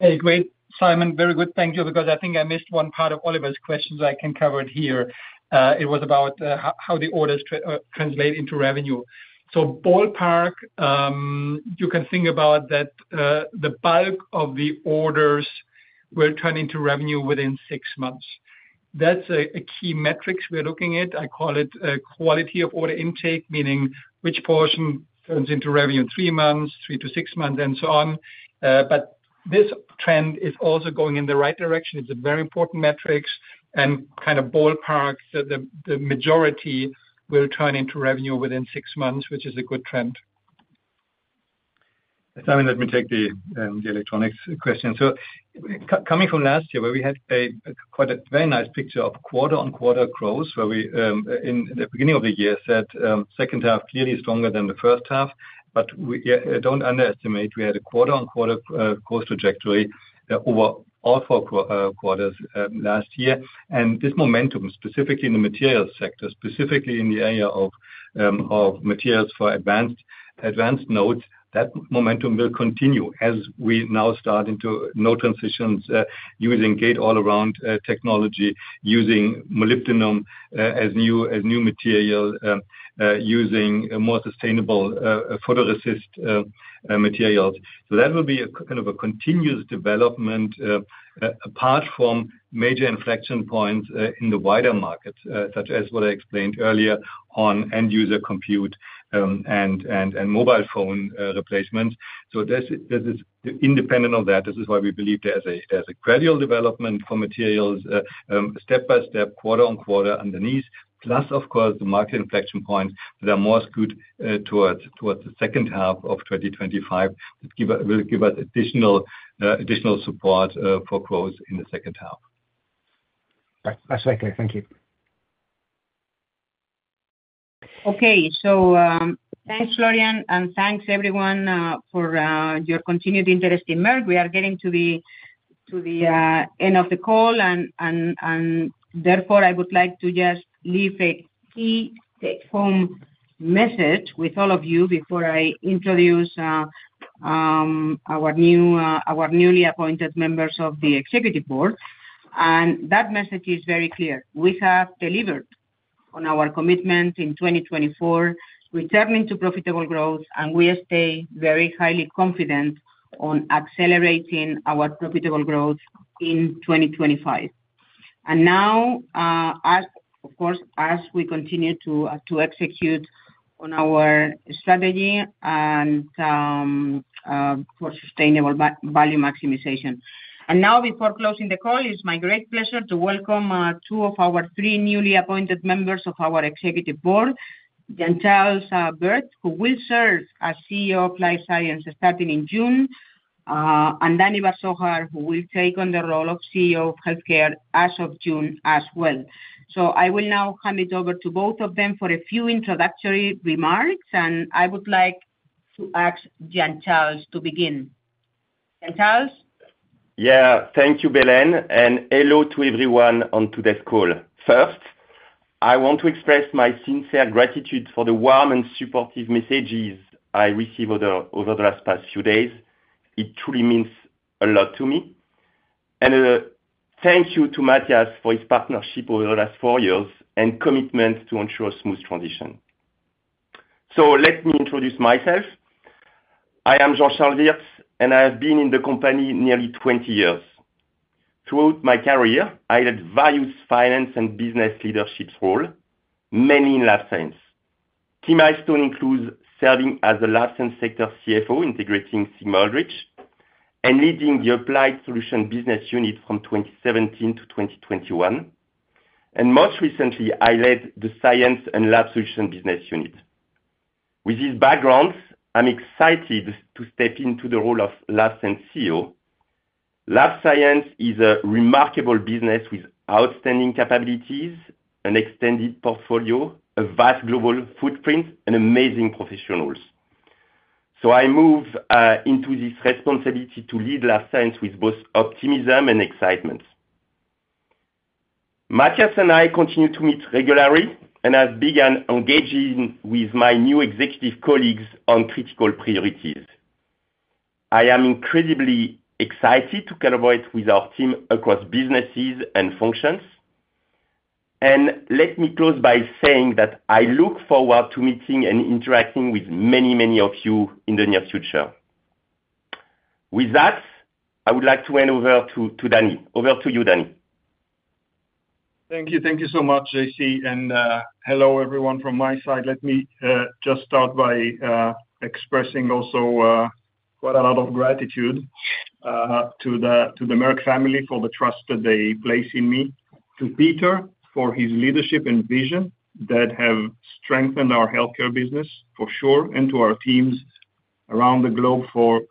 Hey, great. Simon, very good. Thank you because I think I missed one part of Oliver's question so I can cover it here. It was about how the orders translate into revenue. So ballpark, you can think about that the bulk of the orders will turn into revenue within six months. That's a key metric we're looking at. I call it quality of order intake, meaning which portion turns into revenue in three months, three to six months, and so on. But this trend is also going in the right direction. It's a very important metric. And kind of ballpark, the majority will turn into revenue within six months, which is a good trend. Simon, let me take the Electronics question. So coming from last year, where we had quite a very nice picture of quarter-on-quarter growth, where we in the beginning of the year said second half clearly stronger than the first half. But don't underestimate. We had a quarter-on-quarter growth trajectory over all four quarters last year. This momentum, specifically in the materials sector, specifically in the area of materials for advanced nodes, that momentum will continue as we now start into node transitions using Gate-All-Around technology, using molybdenum as new material, using more sustainable photoresist materials. So that will be kind of a continuous development apart from major inflection points in the wider markets, such as what I explained earlier on end-user compute and mobile phone replacement. So this is independent of that. This is why we believe there's a gradual development for materials, step by step, quarter on quarter underneath, plus, of course, the market inflection points that are more skewed towards the second half of 2025 that will give us additional support for growth in the second half. Absolutely. Thank you. Okay. Thanks, Florian, and thanks, everyone, for your continued interest in Merck. We are getting to the end of the call, and therefore, I would like to just leave a key take-home message with all of you before I introduce our newly appointed members of the Executive Board, and that message is very clear. We have delivered on our commitment in 2024, returning to profitable growth, and we stay very highly confident on accelerating our profitable growth in 2025, and now, of course, as we continue to execute on our strategy for sustainable value maximization, and now, before closing the call, it's my great pleasure to welcome two of our three newly appointed members of our Executive Board, Jean-Charles Wirth, who will serve as CEO of Life Science starting in June, and Danny Bar-Zohar, who will take on the role of CEO of Healthcare as of June as well. So I will now hand it over to both of them for a few introductory remarks. And I would like to ask Jean-Charles to begin. Jean-Charles? Yeah. Thank you, Belén. And hello to everyone on today's call. First, I want to express my sincere gratitude for the warm and supportive messages I received over the past few days. It truly means a lot to me. And thank you to Matthias for his partnership over the last four years and commitment to ensure a smooth transition. So let me introduce myself. I am Jean-Charles Wirth, and I have been in the company nearly 20 years. Throughout my career, I had various finance and business leadership roles, mainly in Life Science. The milestones include serving as a Life Science sector CFO, integrating Sigma-Aldrich, and leading the Applied Solutions Business Unit from 2017 to 2021. And most recently, I led the Science and Lab Solutions Business Unit. With these backgrounds, I'm excited to step into the role of Life Science CEO. Life Science is a remarkable business with outstanding capabilities, an extended portfolio, a vast global footprint, and amazing professionals. So I move into this responsibility to lead Life Science with both optimism and excitement. Matthias and I continue to meet regularly and have begun engaging with my new executive colleagues on critical priorities. I am incredibly excited to collaborate with our team across businesses and functions. And let me close by saying that I look forward to meeting and interacting with many, many of you in the near future. With that, I would like to hand over to Danny. Over to you, Danny. Thank you. Thank you so much, JC. And hello, everyone, from my side. Let me just start by expressing also quite a lot of gratitude to the Merck family for the trust that they place in me, to Peter for his leadership and vision that have strengthened our Healthcare business, for sure, and to our teams around the globe for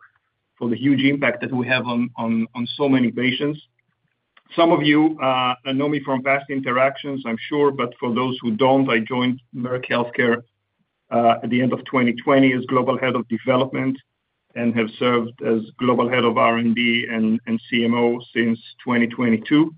the huge impact that we have on so many patients. Some of you know me from past interactions, I'm sure. But for those who don't, I joined Merck Healthcare at the end of 2020 as Global Head of Development and have served as Global Head of R&D and CMO since 2022.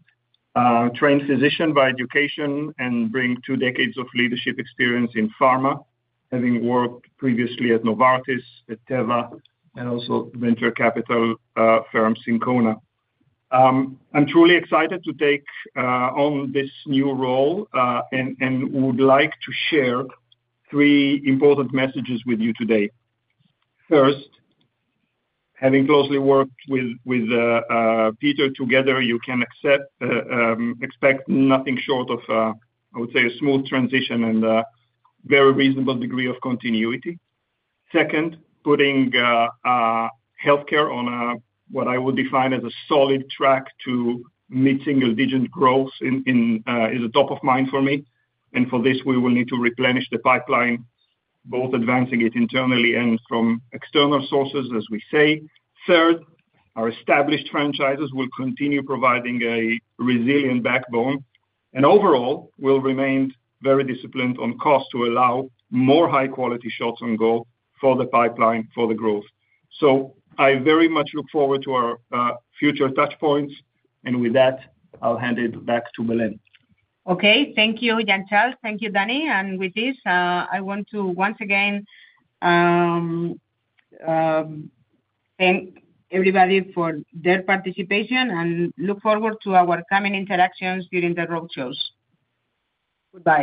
Trained physician by education and bringing two decades of leadership experience in pharma, having worked previously at Novartis, at Teva, and also venture capital firm Syncona. I'm truly excited to take on this new role and would like to share three important messages with you today. First, having closely worked with Peter together, you can expect nothing short of, I would say, a smooth transition and a very reasonable degree of continuity. Second, putting Healthcare on what I would define as a solid track to meet single-digit growth is a top of mind for me, and for this, we will need to replenish the pipeline, both advancing it internally and from external sources, as we say. Third, our established franchises will continue providing a resilient backbone, and overall, we'll remain very disciplined on cost to allow more high-quality shots on goal for the pipeline for the growth. So I very much look forward to our future touchpoints, and with that, I'll hand it back to Belén. Okay. Thank you, Jean-Charles. Thank you, Danny, and with this, I want to once again thank everybody for their participation and look forward to our coming interactions during the roadshows. Goodbye.